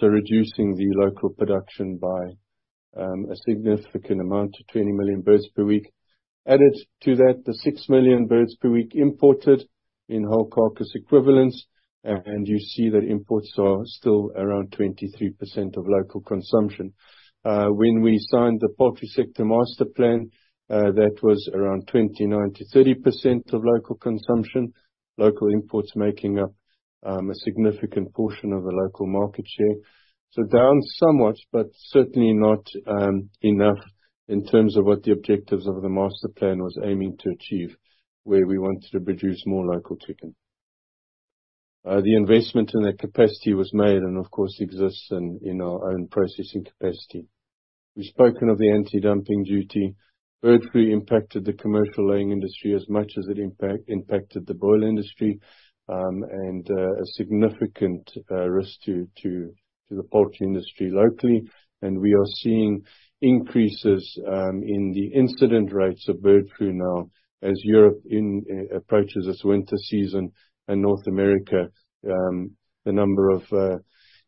So reducing the local production by a significant amount to 20 million birds per week. Added to that, the 6 million birds per week imported in whole carcass equivalents, and you see that imports are still around 23% of local consumption. When we signed the Poultry Sector Master Plan, that was around 29%-30% of local consumption. Local imports making up a significant portion of the local market share. So down somewhat, but certainly not enough in terms of what the objectives of the master plan was aiming to achieve, where we wanted to produce more local chicken. The investment in that capacity was made, and of course exists in our own processing capacity. We've spoken of the anti-dumping duty. Bird flu impacted the commercial laying industry as much as it impacted the broiler industry, and a significant risk to the poultry industry locally. We are seeing increases in the incidence rates of bird flu now as Europe approaches its winter season, and North America, the number of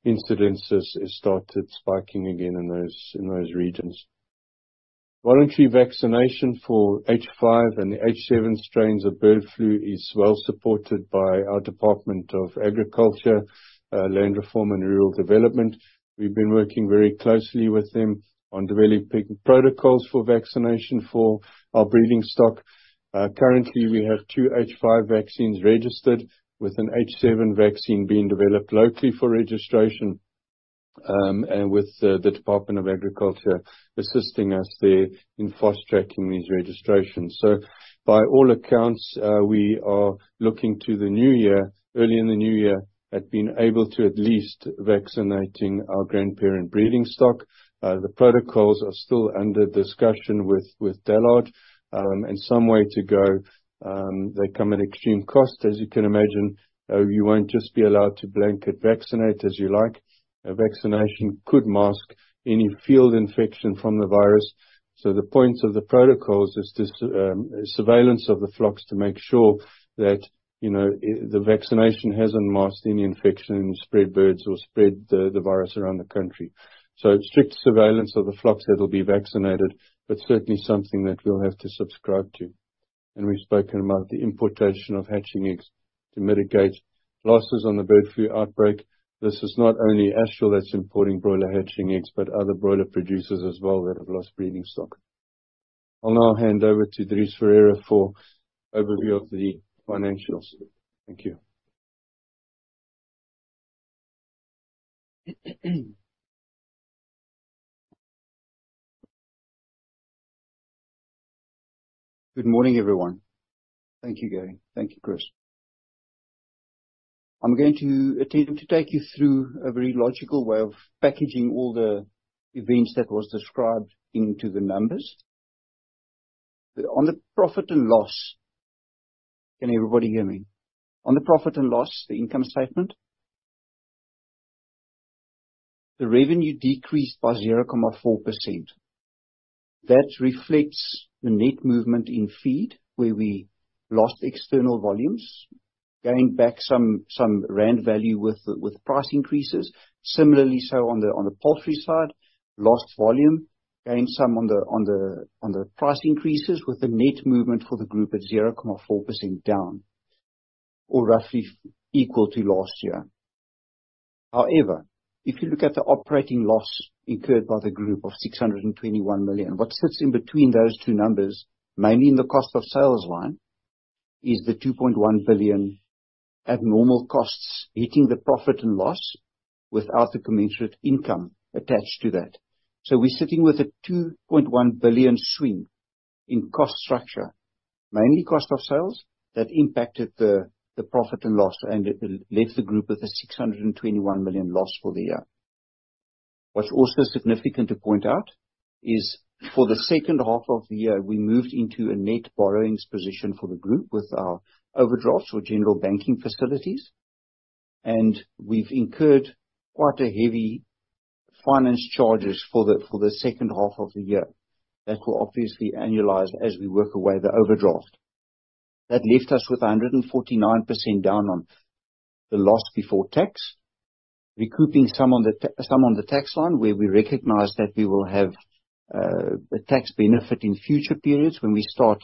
incidences has started spiking again in those regions. Voluntary vaccination for H5 and the H7 strains of bird flu is well supported by our Department of Agriculture, Land Reform and Rural Development. We've been working very closely with them on developing protocols for vaccination for our breeding stock. Currently, we have two H5 vaccines registered, with an H7 vaccine being developed locally for registration. And with the Department of Agriculture assisting us there in fast-tracking these registrations. So by all accounts, we are looking to the new year, early in the new year, at being able to at least vaccinating our grandparent breeding stock. The protocols are still under discussion with DALRRD, and some way to go. They come at extreme cost, as you can imagine. You won't just be allowed to blanket vaccinate as you like. A vaccination could mask any field infection from the virus. So the point of the protocols is just surveillance of the flocks to make sure that, you know, the vaccination hasn't masked any infection in spread birds or spread the virus around the country. So strict surveillance of the flocks that will be vaccinated, but certainly something that we'll have to subscribe to. And we've spoken about the importation of hatching eggs to mitigate losses on the bird flu outbreak. This is not only Astral that's importing broiler hatching eggs, but other broiler producers as well, that have lost breeding stock. I'll now hand over to Dries Ferreira for overview of the financials. Thank you. Good morning, everyone. Thank you, Gary. Thank you, Chris. I'm going to attempt to take you through a very logical way of packaging all the events that was described into the numbers. On the profit and loss. Can everybody hear me? On the profit and loss, the income statement, the revenue decreased by 0.4%. That reflects the net movement in feed, where we lost external volumes, gained back some rand value with price increases. Similarly, on the poultry side, lost volume, gained some on the price increases, with the net movement for the group at 0.4% down, or roughly equal to last year. However, if you look at the operating loss incurred by the group of 621 million, what sits in between those two numbers, mainly in the cost of sales line, is the 2.1 billion abnormal costs hitting the profit and loss without the commensurate income attached to that. So we're sitting with a 2.1 billion swing in cost structure, mainly cost of sales, that impacted the profit and loss, and it left the group with a 621 million loss for the year. What's also significant to point out is, for the second half of the year, we moved into a net borrowings position for the group with our overdrafts or general banking facilities, and we've incurred quite a heavy finance charges for the second half of the year. That will obviously annualize as we work away the overdraft. That left us with 149% down on the loss before tax, recouping some on the tax line, where we recognize that we will have a tax benefit in future periods. When we start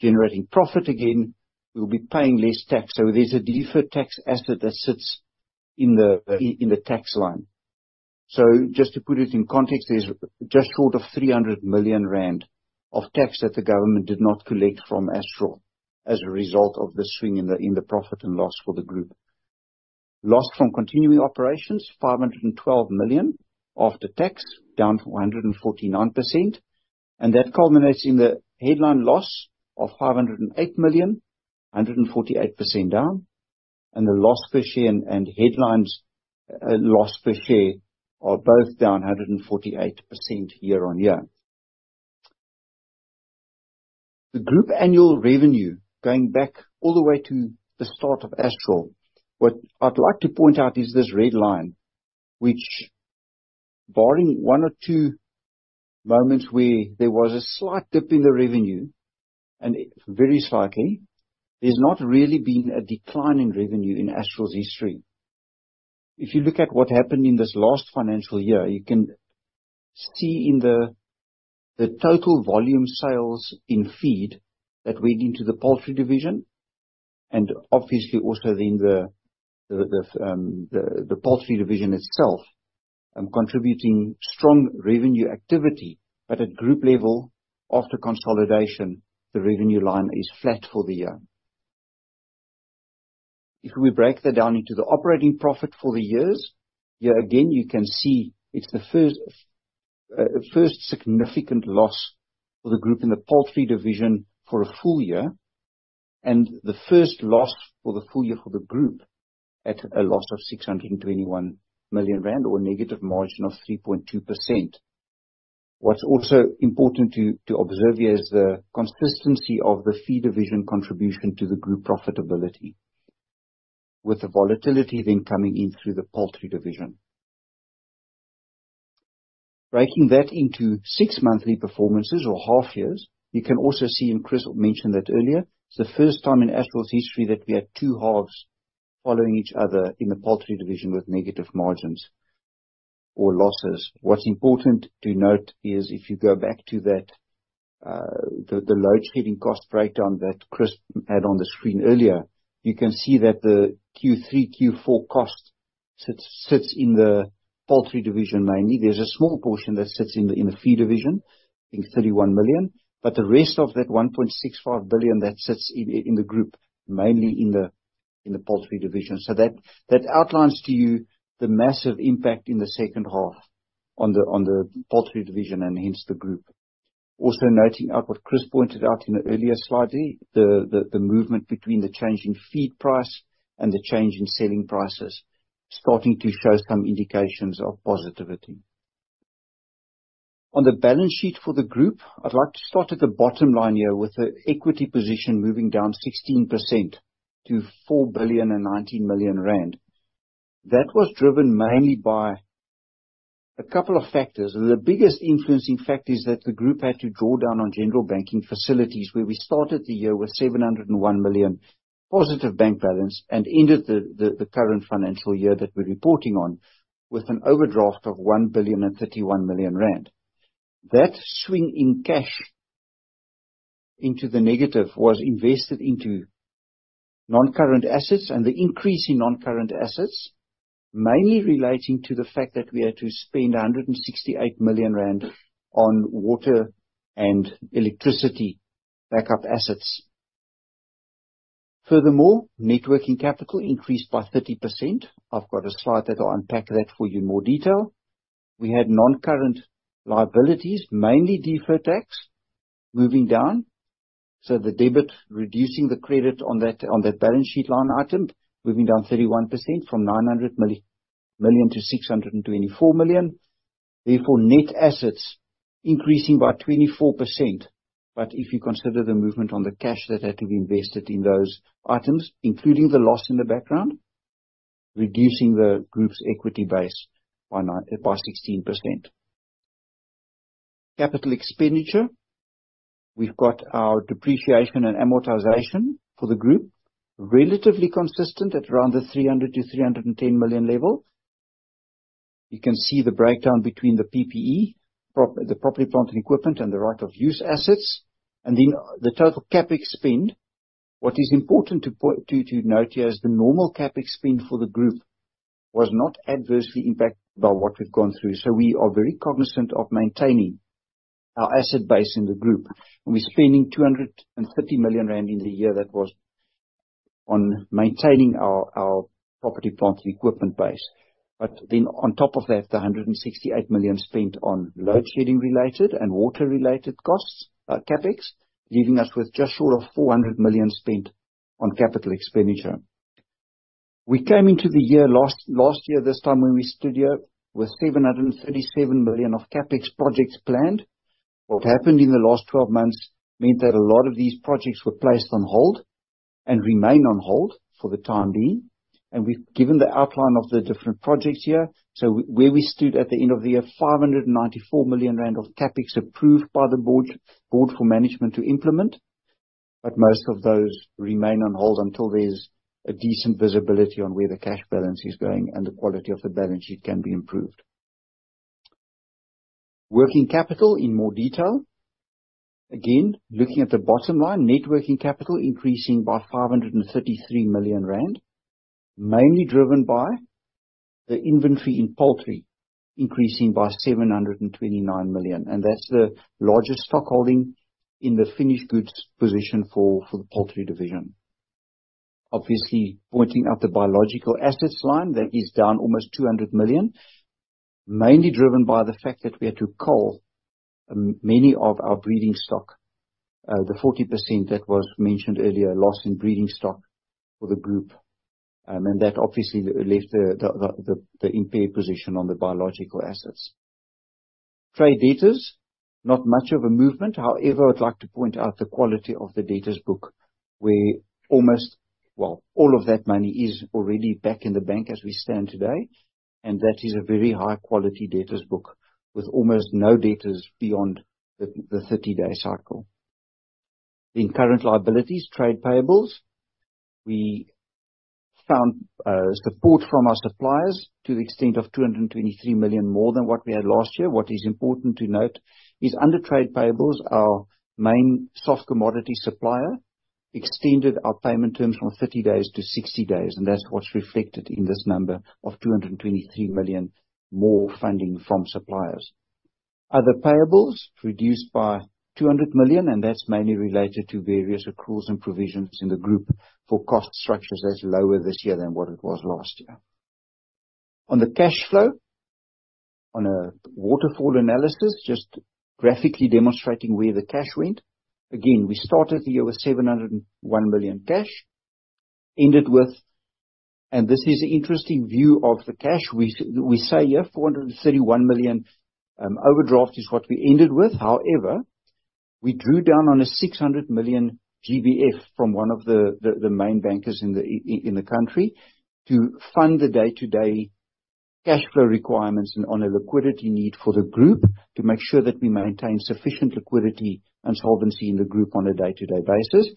generating profit again, we'll be paying less tax, so there's a deferred tax asset that sits in the tax line. So just to put it in context, there's just short of 300 million rand of tax that the government did not collect from Astral as a result of the swing in the profit and loss for the group. Loss from continuing operations, 512 million after tax, down 149%, and that culminates in the headline loss of 508 million, 148% down, and the loss per share and, and headlines, loss per share are both down 148% year-on-year. The group annual revenue, going back all the way to the start of Astral, what I'd like to point out is this red line, which barring one or two moments where there was a slight dip in the revenue, and very slightly, there's not really been a decline in revenue in Astral's history. If you look at what happened in this last financial year, you can see in the total volume sales in feed that went into the poultry division, and obviously also in the poultry division itself, contributing strong revenue activity. But at group level, after consolidation, the revenue line is flat for the year. If we break that down into the operating profit for the years, here again, you can see it's the first significant loss for the group in the poultry division for a full year, and the first loss for the full year for the group, at a loss of 621 million rand, or a negative margin of 3.2%. What's also important to observe here is the consistency of the feed division contribution to the group profitability, with the volatility then coming in through the poultry division. Breaking that into six monthly performances or half years, you can also see, and Chris mentioned that earlier, it's the first time in Astral's history that we had two halves following each other in the poultry division with negative margins or losses. What's important to note is, if you go back to that, the large scaling cost breakdown that Chris had on the screen earlier, you can see that the Q3/Q4 cost sits in the poultry division, mainly. There's a small portion that sits in the feed division, I think 31 million, but the rest of that 1.65 billion that sits in the group, mainly in the poultry division. So that outlines to you the massive impact in the second half on the poultry division, and hence the group. Also noting what Chris pointed out in the earlier slide, the movement between the change in feed price and the change in selling prices, starting to show some indications of positivity. On the balance sheet for the group, I'd like to start at the bottom line here, with the equity position moving down 16% to 4.019 billion. That was driven mainly by a couple of factors. The biggest influencing factor is that the group had to draw down on general banking facilities, where we started the year with 701 million positive bank balance, and ended the current financial year that we're reporting on with an overdraft of 1.031 billion. That swing in cash into the negative was invested into non-current assets, and the increase in non-current assets mainly relating to the fact that we had to spend 168 million rand on water and electricity backup assets. Furthermore, working capital increased by 30%. I've got a slide that I'll unpack that for you in more detail. We had non-current liabilities, mainly deferred tax, moving down, so the debit reducing the credit on that, on that balance sheet line item, moving down 31% from 900 million-624 million. Therefore, net assets increasing by 24%. But if you consider the movement on the cash that had to be invested in those items, including the loss in the background, reducing the group's equity base by 16%. Capital expenditure. We've got our depreciation and amortization for the group, relatively consistent at around the 300-310 million level. You can see the breakdown between the PPE, the property, plant, and equipment, and the right of use assets, and then the total CapEx spend. What is important to point to note here is the normal CapEx spend for the group was not adversely impacted by what we've gone through, so we are very cognizant of maintaining our asset base in the group. And we're spending 230 million rand in the year that was on maintaining our property, plant, and equipment base. But then on top of that, the 168 million spent on load shedding related and water related costs, CapEx, leaving us with just short of 400 million spent on capital expenditure. We came into the year last year, this time when we stood here, with 737 million of CapEx projects planned. What happened in the last 12 months meant that a lot of these projects were placed on hold, and remain on hold for the time being. We've given the outline of the different projects here. Where we stood at the end of the year, 594 million rand of CapEx approved by the board for management to implement, but most of those remain on hold until there's a decent visibility on where the cash balance is going, and the quality of the balance sheet can be improved. Working capital in more detail. Again, looking at the bottom line, net working capital increasing by 533 million rand, mainly driven by the inventory in poultry, increasing by 729 million, and that's the largest stockholding in the finished goods position for, for the poultry division. Obviously, pointing out the biological assets line, that is down almost 200 million, mainly driven by the fact that we had to cull many of our breeding stock. The 40% that was mentioned earlier, loss in breeding stock for the group. And that obviously left the impaired position on the biological assets. Trade debtors, not much of a movement. However, I'd like to point out the quality of the debtors book, where almost, well, all of that money is already back in the bank as we stand today, and that is a very high quality debtors book, with almost no debtors beyond the, the 30-day cycle. In current liabilities, trade payables, we found support from our suppliers to the extent of 223 million more than what we had last year. What is important to note is, under trade payables, our main soft commodity supplier extended our payment terms from 30 days-60 days, and that's what's reflected in this number of 223 million more funding from suppliers. Other payables reduced by 200 million, and that's mainly related to various accruals and provisions in the group for cost structures that's lower this year than what it was last year. On the cash flow, on a waterfall analysis, just graphically demonstrating where the cash went. Again, we started the year with 701 million cash, ended with. And this is an interesting view of the cash. We say here, 431 million overdraft is what we ended with. However, we drew down on a 600 million GBF from one of the main bankers in the country, to fund the day-to-day cash flow requirements and on a liquidity need for the group, to make sure that we maintain sufficient liquidity and solvency in the group on a day-to-day basis.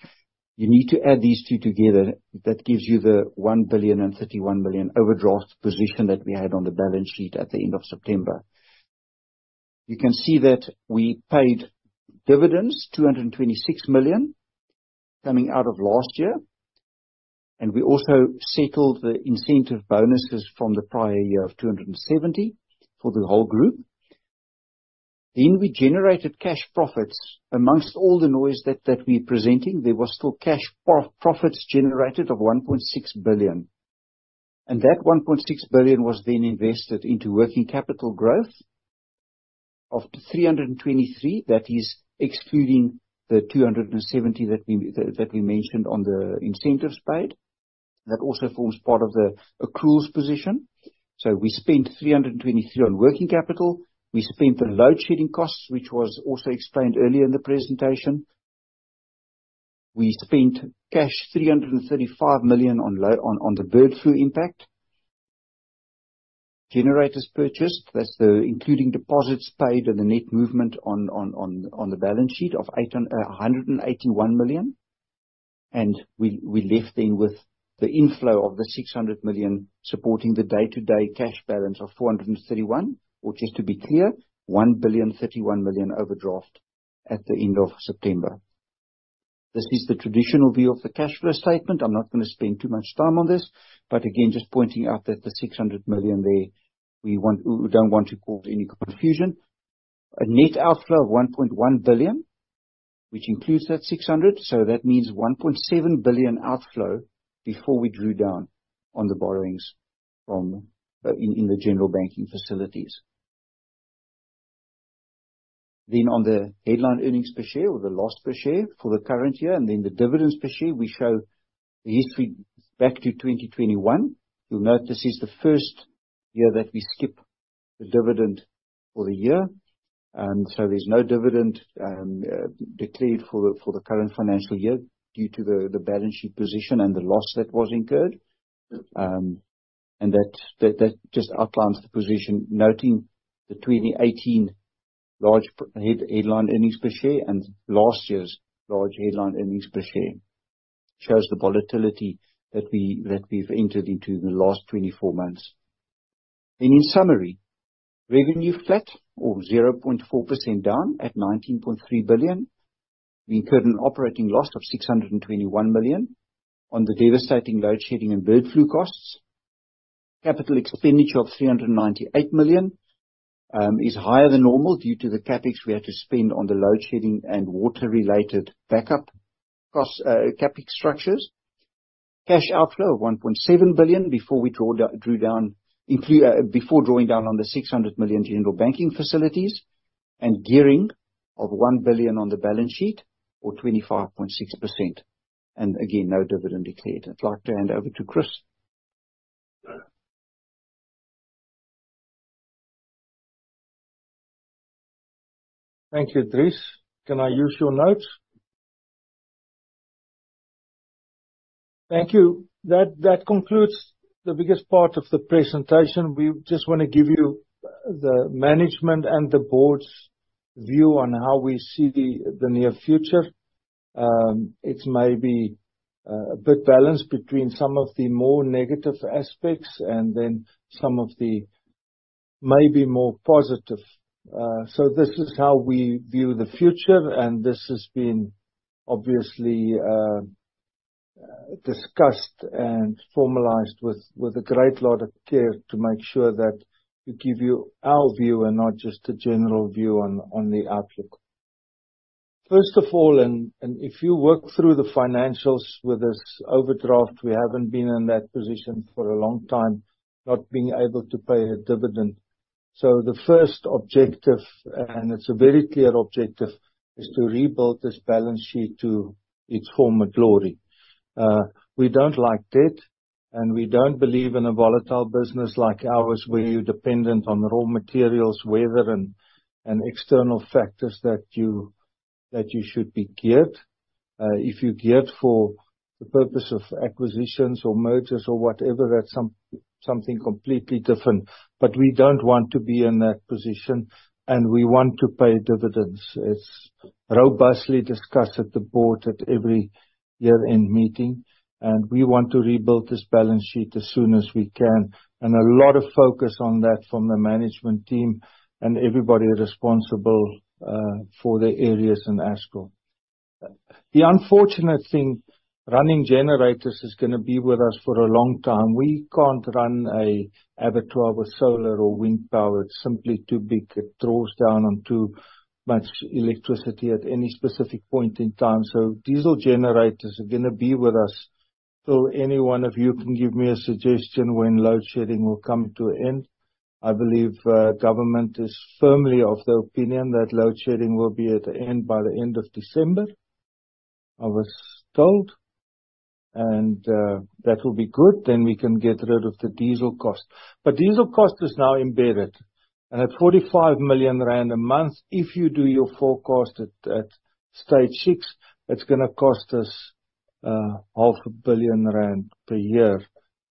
You need to add these two together, that gives you the 1,031 million overdraft position that we had on the balance sheet at the end of September. You can see that we paid dividends, 226 million, coming out of last year, and we also settled the incentive bonuses from the prior year of 270 million for the whole group. Then we generated cash profits. Among all the noise that we're presenting, there was still cash profits generated of 1.6 billion. And that 1.6 billion was then invested into working capital growth of 323 million. That is excluding the 270 million that we mentioned on the incentives paid. That also forms part of the accruals position. So we spent 323 million on working capital. We spent the load shedding costs, which was also explained earlier in the presentation. We spent cash, 335 million, on the bird flu impact. Generators purchased, that's including deposits paid and the net movement on the balance sheet of 181 million. And we left then with the inflow of 600 million supporting the day-to-day cash balance of 431 million, or just to be clear, 1.031 billion overdraft at the end of September. This is the traditional view of the cash flow statement. I'm not gonna spend too much time on this, but again, just pointing out that the 600 million there, we don't want to cause any confusion. A net outflow of 1.1 billion, which includes that 600 million, so that means 1.7 billion outflow before we drew down on the borrowings from the general banking facilities. Then on the headline earnings per share or the loss per share for the current year, and then the dividends per share, we show the history back to 2021. You'll note this is the first year that we skipped the dividend for the year. So there's no dividend declared for the current financial year due to the balance sheet position and the loss that was incurred. And that just outlines the position, noting the 2018 large headline earnings per share, and last year's large headline earnings per share. Shows the volatility that we've entered into in the last 24 months. Then in summary, revenue flat or 0.4% down at 19.3 billion. We incurred an operating loss of 621 million on the devastating load shedding and bird flu costs. Capital expenditure of 398 million is higher than normal due to the CapEx we had to spend on the load shedding and water-related backup cost CapEx structures. Cash outflow of 1.7 billion before drawing down on the 600 million general banking facilities, and gearing of 1 billion on the balance sheet or 25.6%. And again, no dividend declared. I'd like to hand over to Chris. Thank you, Dries. Can I use your notes? Thank you. That concludes the biggest part of the presentation. We just wanna give you the management and the board's view on how we see the near future. It may be a bit balanced between some of the more negative aspects and then some of the maybe more positive. So this is how we view the future, and this has been obviously discussed and formalized with a great lot of care to make sure that we give you our view and not just a general view on the outlook. First of all, if you work through the financials with this overdraft, we haven't been in that position for a long time, not being able to pay a dividend. So the first objective, and it's a very clear objective, is to rebuild this balance sheet to its former glory. We don't like debt, and we don't believe in a volatile business like ours, where you're dependent on raw materials, weather, and external factors that you should be geared. If you're geared for the purpose of acquisitions or mergers or whatever, that's something completely different. But we don't want to be in that position, and we want to pay dividends. It's robustly discussed at the board at every year-end meeting, and we want to rebuild this balance sheet as soon as we can. And a lot of focus on that from the management team and everybody responsible for their areas in Astral. The unfortunate thing, running generators is gonna be with us for a long time. We can't run an abattoir with solar or wind power. It's simply too big. It draws down on too much electricity at any specific point in time. So diesel generators are gonna be with us till any one of you can give me a suggestion when load shedding will come to an end. I believe, government is firmly of the opinion that load shedding will be at an end by the end of December, I was told, and, that will be good. Then we can get rid of the diesel cost. But diesel cost is now embedded, and at 45 million rand a month, if you do your forecast at stage six, it's gonna cost us, half a billion rand per year,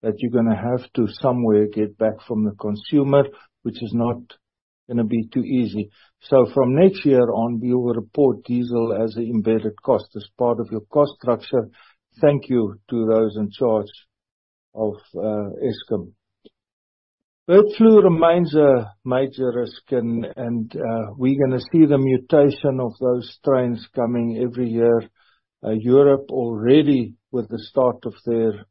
that you're gonna have to somewhere get back from the consumer, which is not gonna be too easy. So from next year on, we will report diesel as an embedded cost, as part of your cost structure. Thank you to those in charge of Eskom. Bird flu remains a major risk, and we're gonna see the mutation of those strains coming every year. Europe already, with the start of their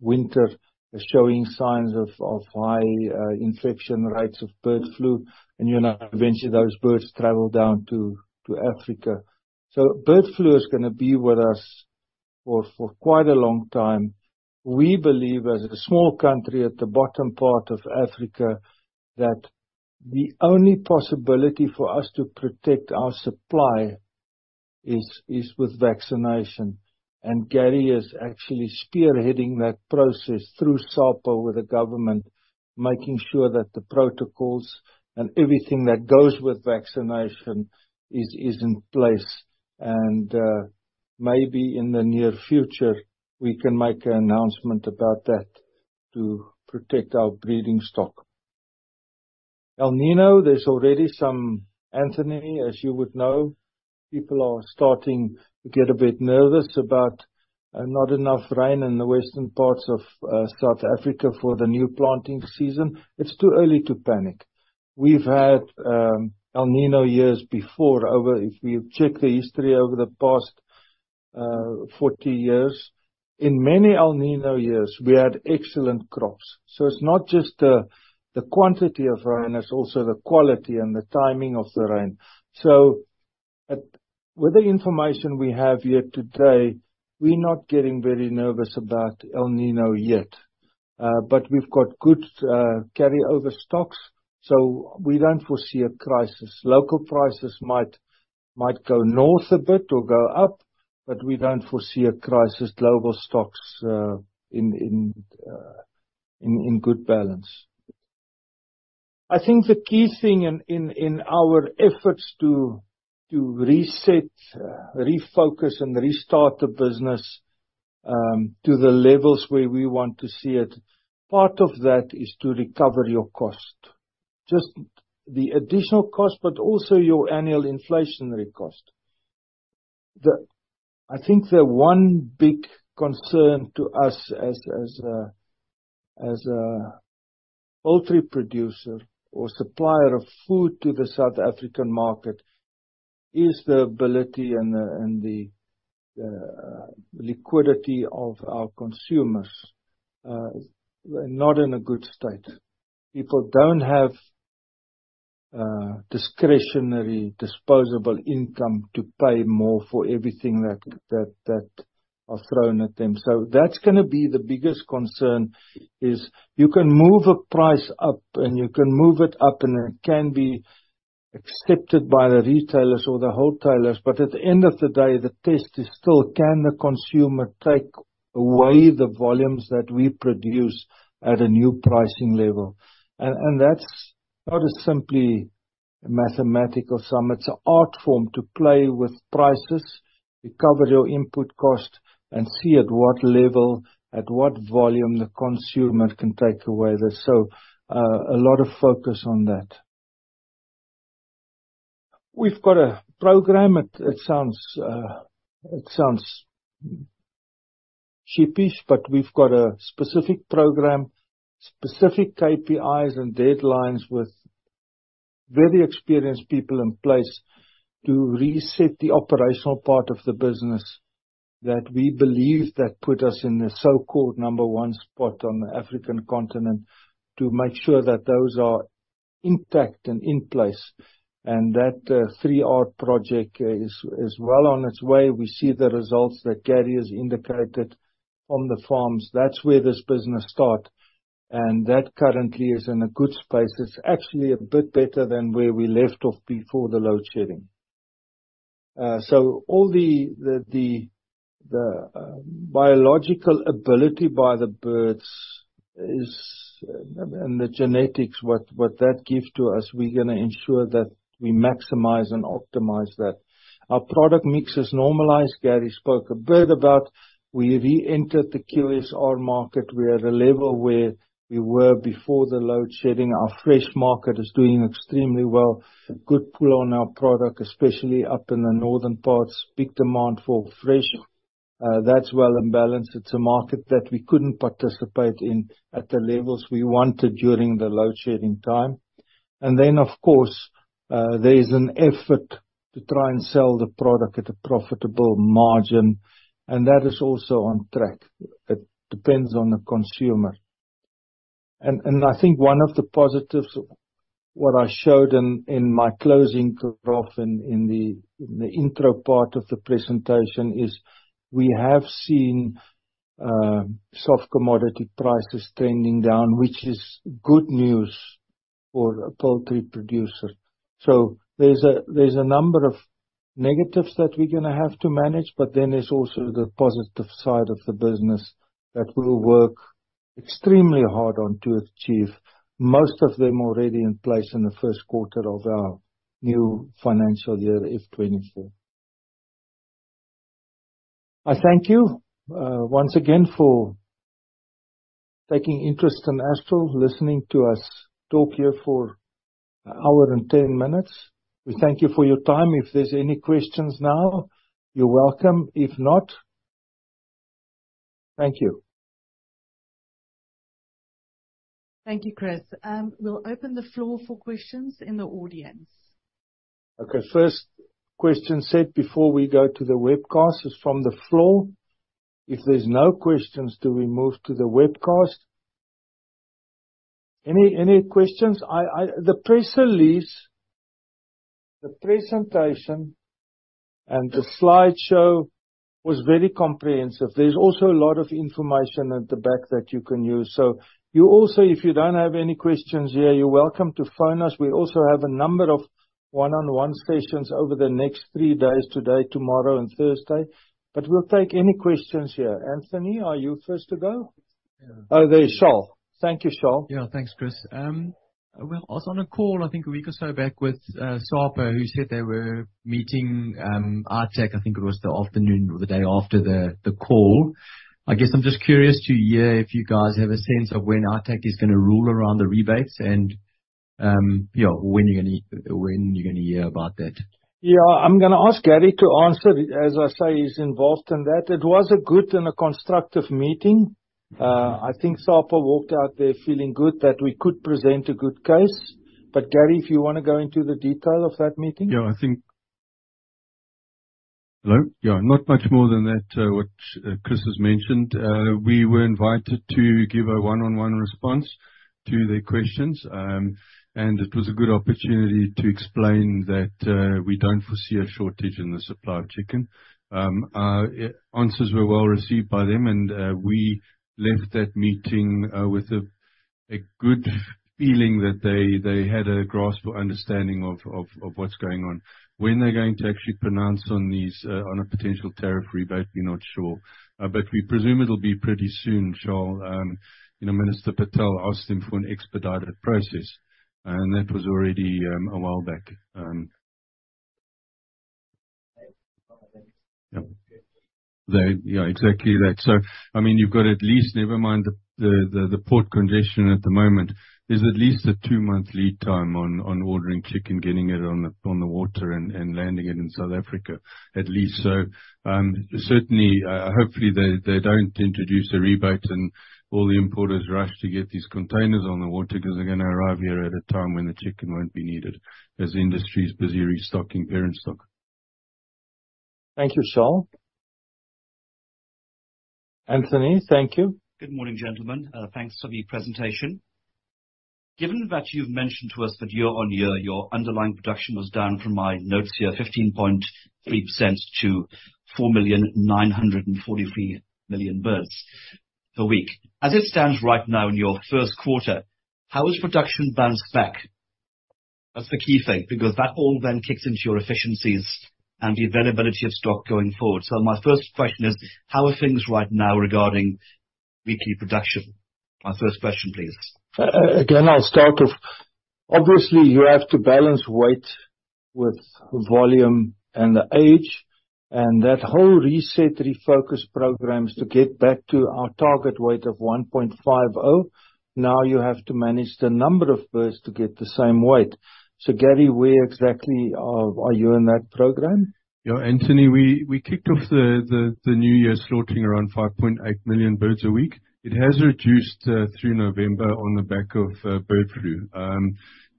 winter, is showing signs of high infection rates of bird flu. And you know, eventually those birds travel down to Africa. So bird flu is gonna be with us for quite a long time. We believe, as a small country at the bottom part of Africa, that the only possibility for us to protect our supply is with vaccination. And Gary is actually spearheading that process through SAPA with the government, making sure that the protocols and everything that goes with vaccination is in place. Maybe in the near future, we can make an announcement about that to protect our breeding stock. El Niño, there's already some Anthony, as you would know, people are starting to get a bit nervous about, not enough rain in the western parts of, South Africa for the new planting season. It's too early to panic. We've had El Niño years before. If you check the history over the past 40 years. In many El Niño years, we had excellent crops. So it's not just the, the quantity of rain, it's also the quality and the timing of the rain. So with the information we have here today, we're not getting very nervous about El Niño yet. But we've got good carryover stocks, so we don't foresee a crisis. Local prices might go north a bit or go up, but we don't foresee a crisis. Global stocks in good balance. I think the key thing in our efforts to reset, refocus, and restart the business to the levels where we want to see it, part of that is to recover your cost. Just the additional cost, but also your annual inflationary cost. I think the one big concern to us as a poultry producer or supplier of food to the South African market is the ability and the liquidity of our consumers not in a good state. People don't have discretionary, disposable income to pay more for everything that are thrown at them. So that's gonna be the biggest concern, is you can move a price up, and you can move it up, and it can be accepted by the retailers or the wholesalers, but at the end of the day, the test is still: Can the consumer take away the volumes that we produce at a new pricing level? And that's not just simply a mathematical sum, it's an art form to play with prices, recover your input cost, and see at what level, at what volume the consumer can take away this. So, a lot of focus on that. We've got a program. It sounds cheapish, but we've got a specific program, specific KPIs and deadlines with very experienced people in place to reset the operational part of the business, that we believe that put us in the so-called number one spot on the African continent, to make sure that those are intact and in place. And that 3R project is well on its way. We see the results that Gary has indicated from the farms. That's where this business start, and that currently is in a good space. It's actually a bit better than where we left off before the load shedding. So all the biological ability by the birds is and the genetics that gives to us, we're gonna ensure that we maximize and optimize that. Our product mix is normalized. Gary spoke a bit about we reentered the QSR market. We are at a level where we were before the load shedding. Our fresh market is doing extremely well. A good pull on our product, especially up in the northern parts. Big demand for fresh. That's well and balanced. It's a market that we couldn't participate in at the levels we wanted during the load shedding time. And then, of course, there is an effort to try and sell the product at a profitable margin, and that is also on track. It depends on the consumer. And I think one of the positives, what I showed in my closing graph and in the intro part of the presentation, is we have seen soft commodity prices trending down, which is good news for a poultry producer. So there's a number of negatives that we're gonna have to manage, but then there's also the positive side of the business that we'll work extremely hard on to achieve. Most of them already in place in the first quarter of our new financial year, FY 2024. I thank you once again for taking interest in Astral, listening to us talk here for an hour and 10 minutes. We thank you for your time. If there's any questions now, you're welcome. If not, thank you. Thank you, Chris. We'll open the floor for questions in the audience. Okay, first question set before we go to the webcast is from the floor. If there's no questions, do we move to the webcast? Any, any questions? The press release, the presentation, and the slideshow was very comprehensive. There's also a lot of information at the back that you can use. So you also, if you don't have any questions here, you're welcome to phone us. We also have a number of one-on-one sessions over the next three days, today, tomorrow, and Thursday, but we'll take any questions here. Anthony, are you first to go? Oh, there's Charles. Thank you, Charles. Yeah, thanks, Chris. Well, I was on a call, I think a week or so back with SAPA, who said they were meeting ITAC, I think it was the afternoon or the day after the call. I guess I'm just curious to hear if you guys have a sense of when ITAC is gonna rule around the rebates and, yeah, when you're gonna hear about that. Yeah, I'm gonna ask Gary to answer. As I say, he's involved in that. It was a good and a constructive meeting. I think SAPA walked out there feeling good that we could present a good case. But, Gary, if you wanna go into the detail of that meeting? Yeah, I think—Hello? Yeah, not much more than that, what Chris has mentioned. We were invited to give a one-on-one response to their questions. And it was a good opportunity to explain that we don't foresee a shortage in the supply of chicken. Our answers were well received by them, and we left that meeting with a good feeling that they had a grasp or understanding of what's going on. When they're going to actually pronounce on these, on a potential tariff rebate, we're not sure. But we presume it'll be pretty soon, Charles. You know, Minister Patel asked them for an expedited process, and that was already a while back. Yeah. They—Yeah, exactly that. So, I mean, you've got at least never mind the port congestion at the moment, there's at least a two-month lead time on ordering chicken, getting it on the water, and landing it in South Africa, at least. So, certainly, hopefully, they don't introduce a rebate, and all the importers rush to get these containers on the water, because they're gonna arrive here at a time when the chicken won't be needed, as the industry is busy restocking parent stock. Thank you, Charles. Anthony, thank you. Good morning, gentlemen. Thanks for the presentation. Given that you've mentioned to us that year-on-year, your underlying production was down, from my notes here, 0.158 to 4.9 million birds per week. As it stands right now in your first quarter, how has production bounced back? That's the key thing, because that all then kicks into your efficiencies and the availability of stock going forward. My first question is: How are things right now regarding weekly production? My first question, please. Again, I'll start off. Obviously, you have to balance weight with volume and the age, and that whole reset, refocus programs to get back to our target weight of 1.50. Now, you have to manage the number of birds to get the same weight. So, Gary, where exactly are you in that program? Yeah, Anthony, we kicked off the new year slaughtering around 5.8 million birds a week. It has reduced through November on the back of bird flu.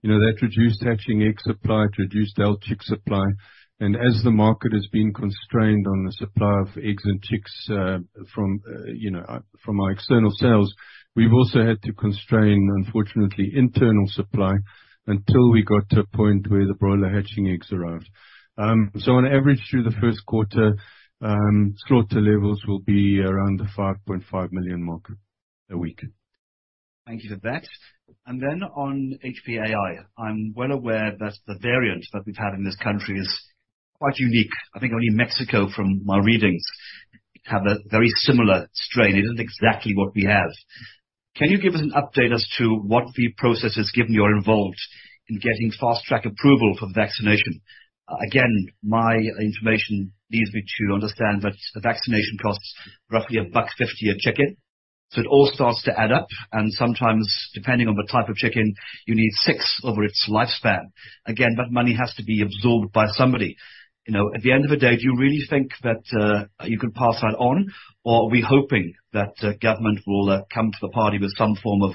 You know, that reduced hatching egg supply reduced our chick supply, and as the market has been constrained on the supply of eggs and chicks from our external sales, we've also had to constrain, unfortunately, internal supply, until we got to a point where the broiler hatching eggs arrived. So on average, through the first quarter, slaughter levels will be around the 5.5 million mark a week. Thank you for that. And then, on HPAI, I'm well aware that the variant that we've had in this country is quite unique. I think only Mexico, from my readings, have a very similar strain. It isn't exactly what we have. Can you give us an update as to what the process is, given you're involved in getting fast-track approval for vaccination? Again, my information leads me to understand that the vaccination costs roughly 1.50 a chicken, so it all starts to add up, and sometimes, depending on the type of chicken, you need six over its lifespan. Again, that money has to be absorbed by somebody. You know, at the end of the day, do you really think that you could pass that on? Or are we hoping that government will come to the party with some form of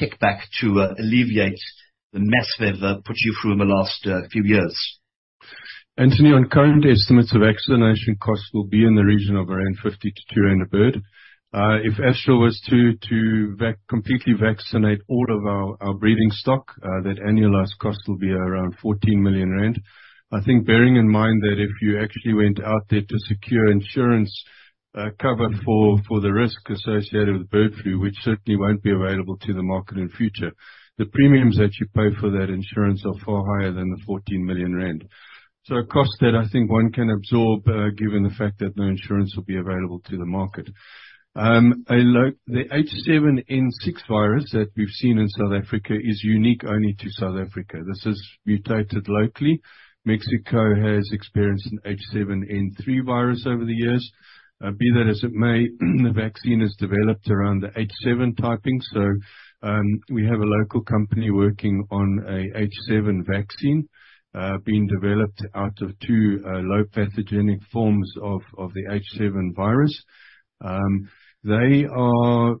kickback to alleviate the mess they've put you through in the last few years? Anthony, on current estimates of vaccination costs will be in the region of around 50-200 a bird. If Astral was to completely vaccinate all of our breeding stock, that annualized cost will be around 14 million rand. I think bearing in mind that if you actually went out there to secure insurance cover for the risk associated with bird flu, which certainly won't be available to the market in future, the premiums that you pay for that insurance are far higher than the 14 million rand. So a cost that I think one can absorb, given the fact that no insurance will be available to the market. The H7N6 virus that we've seen in South Africa is unique only to South Africa. This is mutated locally. Mexico has experienced an H7N3 virus over the years. Be that as it may, the vaccine is developed around the H7 typing. So, we have a local company working on a H7 vaccine, being developed out of two low pathogenic forms of the H7 virus. Well,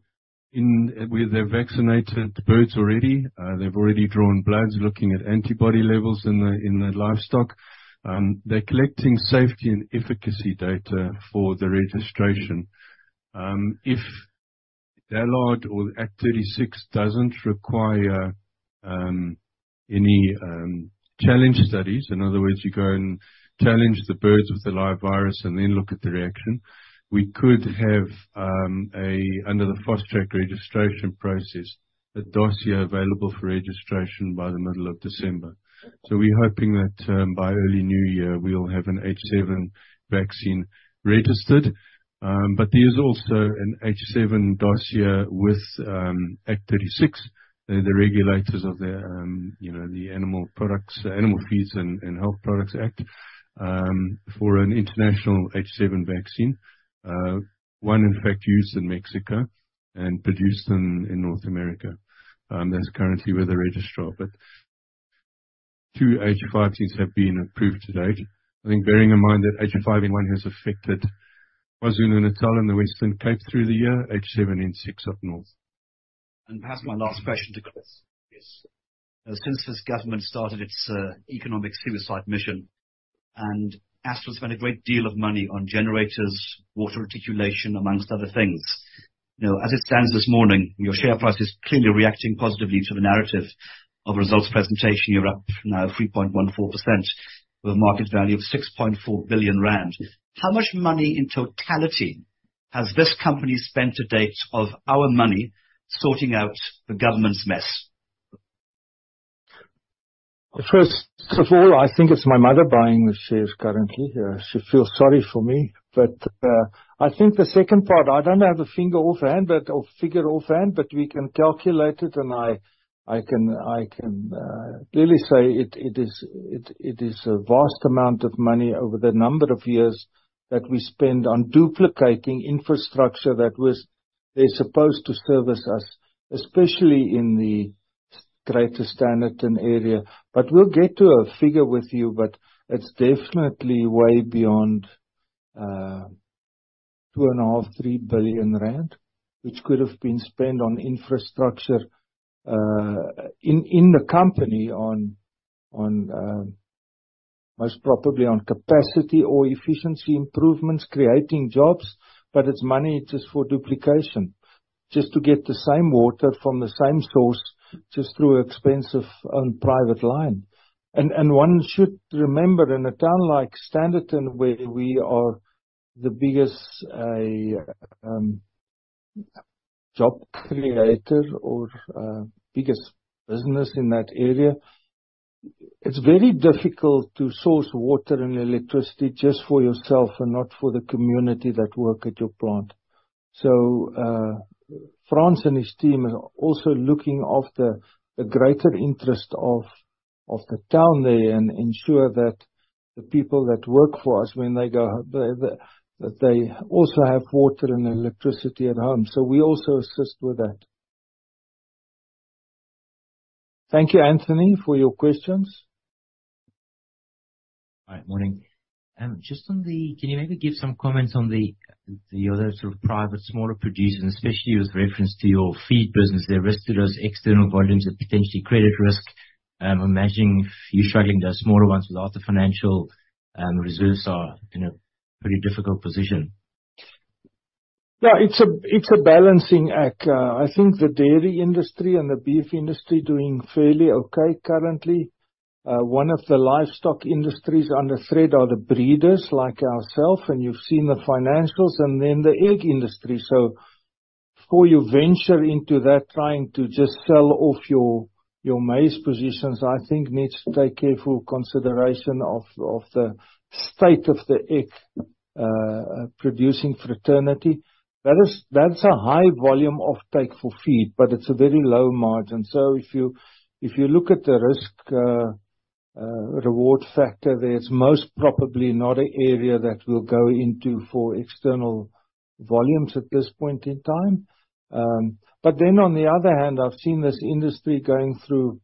they've vaccinated birds already. They've already drawn blood, looking at antibody levels in the livestock. They're collecting safety and efficacy data for the registration. If they're allowed or Act 36 doesn't require any challenge studies, in other words, you go and challenge the birds with the live virus and then look at the reaction, we could have, under the fast track registration process, a dossier available for registration by the middle of December. So we're hoping that, by early new year, we'll have an H7 vaccine registered. There's also an H7 dossier with Act 36, the regulators of, you know, the Fertilizers, Farm Feeds, Agricultural Remedies and Stock Remedies Act, for an international H7 vaccine, one in fact used in Mexico and produced in North America. That's currently where they registered it... Two H5s have been approved to date. I think bearing in mind that H5N1 has affected KwaZulu-Natal in the Western Cape through the year, H7N6 up north. Perhaps my last question to Chris. Yes. Since this government started its economic suicide mission, and Astral spent a great deal of money on generators, water reticulation, among other things. You know, as it stands this morning, your share price is clearly reacting positively to the narrative of results presentation. You're up now 3.14%, with a market value of 6.4 billion rand. How much money in totality has this company spent to date, of our money, sorting out the government's mess? First of all, I think it's my mother buying the shares currently. She feels sorry for me. But, I think the second part, I don't have a figure offhand, but we can calculate it, and I can clearly say it is a vast amount of money over the number of years that we spend on duplicating infrastructure that was, they're supposed to service us, especially in the Greater Standerton area. But we'll get to a figure with you, but it's definitely way beyond 2.5 billion-3 billion rand, which could have been spent on infrastructure in the company, on most probably on capacity or efficiency improvements, creating jobs, but it's money just for duplication. Just to get the same water from the same source, just through expensive and private line. And one should remember, in a town like Standerton, where we are the biggest job creator or biggest business in that area, it's very difficult to source water and electricity just for yourself and not for the community that work at your plant. So, Frans and his team are also looking after the greater interest of the town there, and ensure that the people that work for us, when they go, that they also have water and electricity at home. So we also assist with that. Thank you, Anthony, for your questions. Hi, morning. Just on the, can you maybe give some comments on the, the other sort of private, smaller producers, and especially with reference to your feed business, the risk to those external volumes are potentially credit risk. I'm imagining you struggling, those smaller ones, without the financial, reserves are in a pretty difficult position. Yeah, it's a balancing act. I think the dairy industry and the beef industry doing fairly okay currently. One of the livestock industries under threat are the breeders like ourselves, and you've seen the financials, and then the egg industry. So before you venture into that, trying to just sell off your maize positions, I think needs to take careful consideration of the state of the egg-producing fraternity. That is - that's a high volume offtake for feed, but it's a very low margin. So if you look at the risk reward factor, there, it's most probably not an area that we'll go into for external volumes at this point in time. But then on the other hand, I've seen this industry going through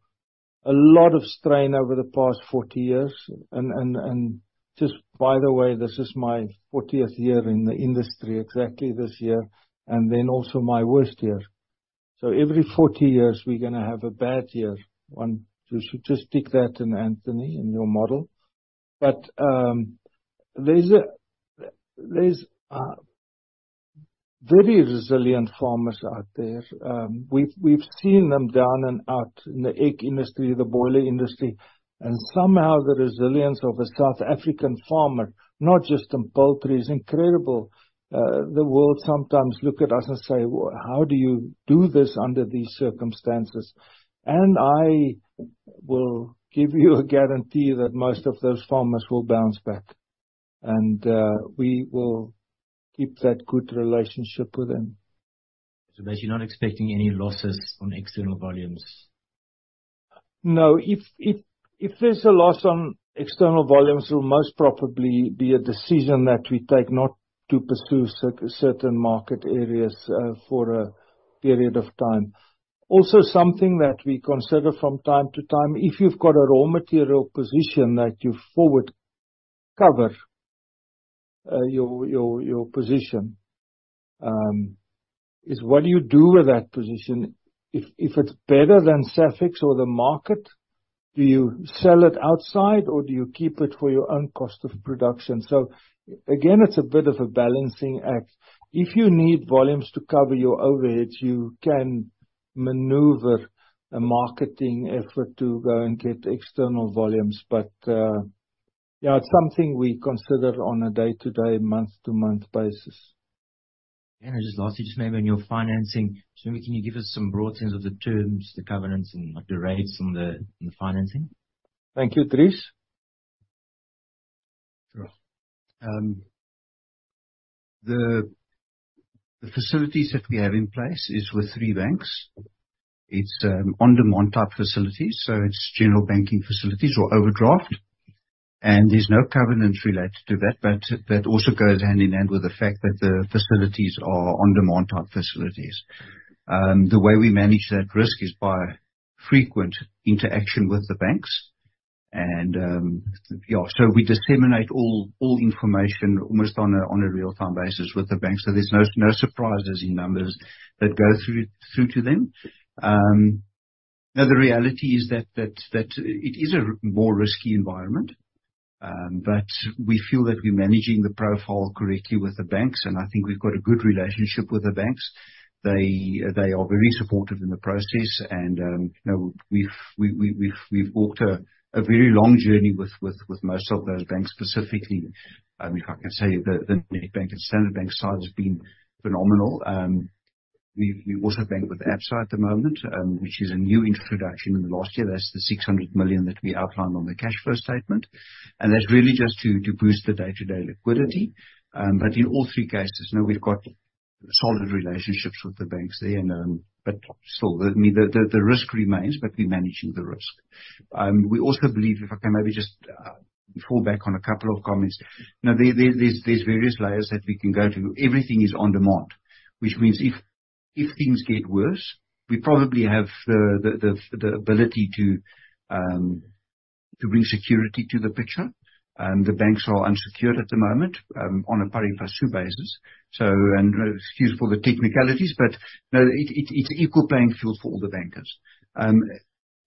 a lot of strain over the past 40 years. Just by the way, this is my 40th year in the industry, exactly this year, and then also my worst year. So every 40 years, we're gonna have a bad year. Want to statistic that in Anthony, in your model. But, there's very resilient farmers out there. We've seen them down and out in the egg industry, the broiler industry, and somehow the resilience of a South African farmer, not just in poultry, is incredible. The world sometimes look at us and say, "Well, how do you do this under these circumstances?" And I will give you a guarantee that most of those farmers will bounce back. We will keep that good relationship with them. So that you're not expecting any losses on external volumes? No. If there's a loss on external volumes, it will most probably be a decision that we take not to pursue certain market areas for a period of time. Also, something that we consider from time to time, if you've got a raw material position that you forward cover your position is what do you do with that position? If it's better than SAFEX or the market, do you sell it outside or do you keep it for your own cost of production? So again, it's a bit of a balancing act. If you need volumes to cover your overheads, you can maneuver a marketing effort to go and get external volumes, but yeah, it's something we consider on a day-to-day, month-to-month basis. Just lastly, just maybe on your financing. So maybe can you give us some broad sense of the terms, the governance, and like the rates on the financing? Thank you, Dries. The facilities that we have in place is with three banks. It's on-demand type facilities, so it's general banking facilities or overdraft. There's no covenant related to that, but that also goes hand in hand with the fact that the facilities are on-demand type facilities. The way we manage that risk is by frequent interaction with the banks, and yeah, so we disseminate all information almost on a real-time basis with the banks, so there's no surprises in numbers that go through to them. Now the reality is that it is a more risky environment, but we feel that we're managing the profile correctly with the banks, and I think we've got a good relationship with the banks. They are very supportive in the process, and you know, we've walked a very long journey with most of those banks. Specifically, if I can say, the Nedbank and Standard Bank side has been phenomenal. We also bank with Absa at the moment, which is a new introduction in the last year. That's the 600 million that we outlined on the cash flow statement, and that's really just to boost the day-to-day liquidity. But in all three cases, now we've got solid relationships with the banks there, but still, I mean, the risk remains, but we're managing the risk. We also believe, if I can maybe just fall back on a couple of comments. Now, there are various layers that we can go to. Everything is on demand, which means if things get worse, we probably have the ability to bring security to the picture. The banks are unsecured at the moment, on a pari passu basis. So, and excuse for the technicalities, but, you know, it, it's equal playing field for all the bankers.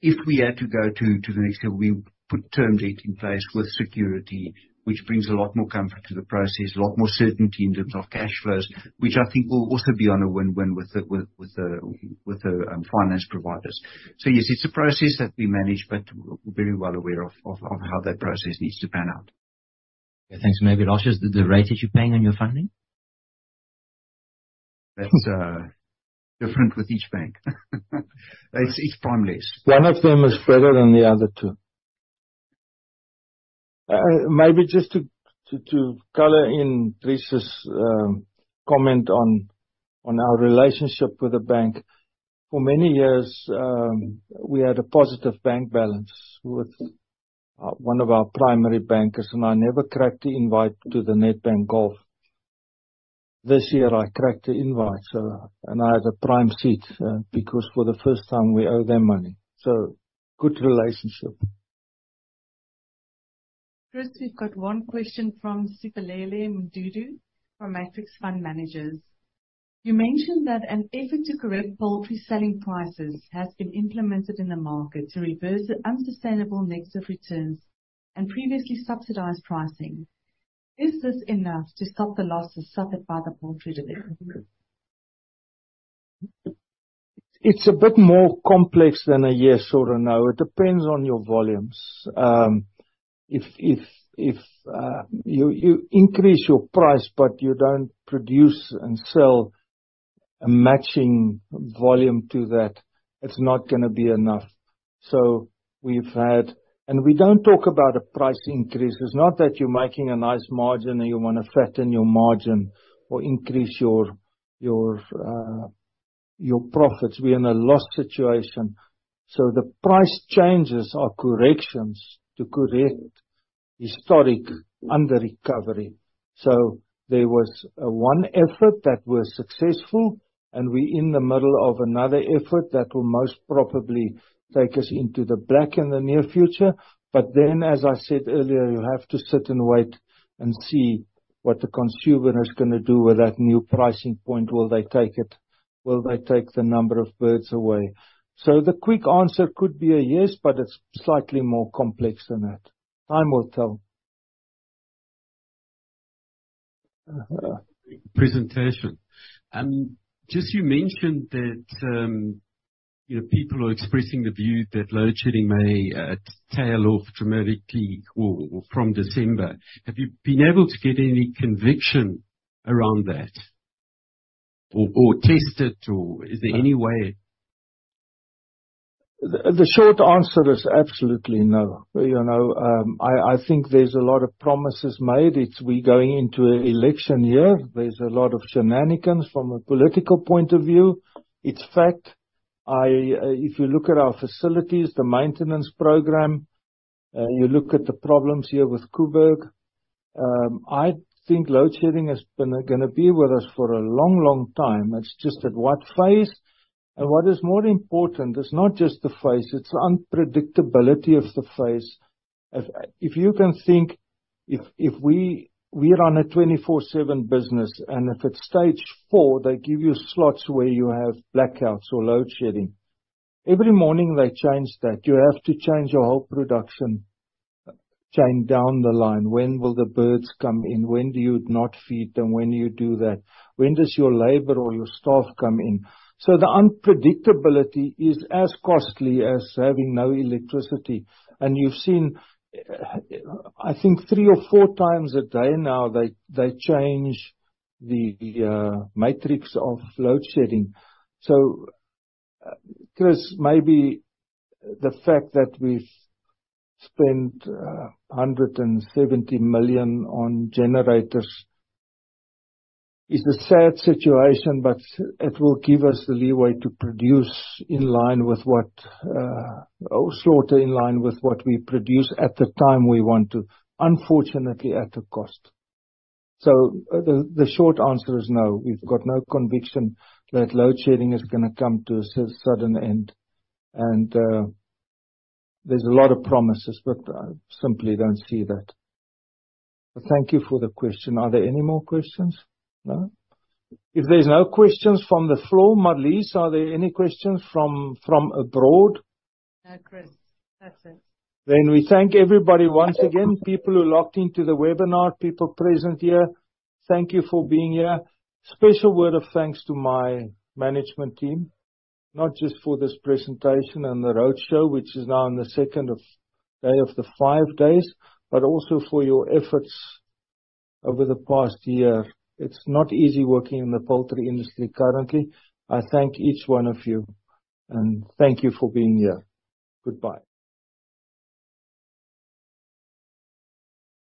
If we had to go to the next level, we put term debt in place with security, which brings a lot more comfort to the process, a lot more certainty in terms of cash flows, which I think will also be on a win-win with the finance providers. So yes, it's a process that we manage, but we're very well aware of how that process needs to pan out. Thanks. Maybe, [Roche], the rate that you're paying on your funding? That's different with each bank. It's prime less. One of them is better than the other two. Maybe just to color in Dries's comment on our relationship with the bank. For many years, we had a positive bank balance with one of our primary bankers, and I never cracked the invite to the Nedbank Golf. This year, I cracked the invite, so, and I had a prime seat because for the first time, we owe them money, so good relationship. Chris, we've got one question from Siphelele Mdudu, from Matrix Fund Managers. You mentioned that an effort to correct poultry selling prices has been implemented in the market to reverse the unsustainable mix of returns and previously subsidized pricing. Is this enough to stop the losses suffered by the poultry delivery group? It's a bit more complex than a yes or a no. It depends on your volumes. If you increase your price, but you don't produce and sell a matching volume to that, it's not gonna be enough. So we've had... And we don't talk about a price increase. It's not that you're making a nice margin, and you wanna fatten your margin or increase your profits. We're in a loss situation. So the price changes are corrections to correct historic underrecovery. So there was one effort that was successful, and we're in the middle of another effort that will most probably take us into the black in the near future. But then, as I said earlier, you'll have to sit and wait and see what the consumer is gonna do with that new pricing point. Will they take it? Will they take the number of birds away? So the quick answer could be a yes, but it's slightly more complex than that. Time will tell. Presentation. Just you mentioned that, you know, people are expressing the view that load shedding may tail off dramatically or from December. Have you been able to get any conviction around that, or test it, or is there any way? The short answer is absolutely no. You know, I think there's a lot of promises made. It's we're going into an election year. There's a lot of shenanigans from a political point of view. It's fact. If you look at our facilities, the maintenance program, you look at the problems here with Koeberg, I think load shedding is gonna be with us for a long, long time. It's just at what phase? And what is more important, it's not just the phase, it's the unpredictability of the phase. If you can think, if we run a 24/7 business, and if it's stage 4, they give you slots where you have blackouts or load shedding. Every morning, they change that. You have to change your whole production chain down the line. When will the birds come in? When do you not feed them? When do you do that? When does your labor or your staff come in? So the unpredictability is as costly as having no electricity. And you've seen, I think three or four times a day now, they, they change the matrix of load shedding. So, Chris, maybe the fact that we've spent 170 million on generators is a sad situation, but it will give us the leeway to produce in line with what or slaughter in line with what we produce at the time we want to, unfortunately, at a cost. So the short answer is no. We've got no conviction that load shedding is gonna come to a sudden end, and there's a lot of promises, but I simply don't see that. Thank you for the question. Are there any more questions? No? If there's no questions from the floor, Marlizer, are there any questions from abroad? Chris, that's it. We thank everybody once again. People who locked into the webinar, people present here, thank you for being here. Special word of thanks to my management team, not just for this presentation and the roadshow, which is now in the second day of the five days, but also for your efforts over the past year. It's not easy working in the poultry industry currently. I thank each one of you, and thank you for being here. Goodbye.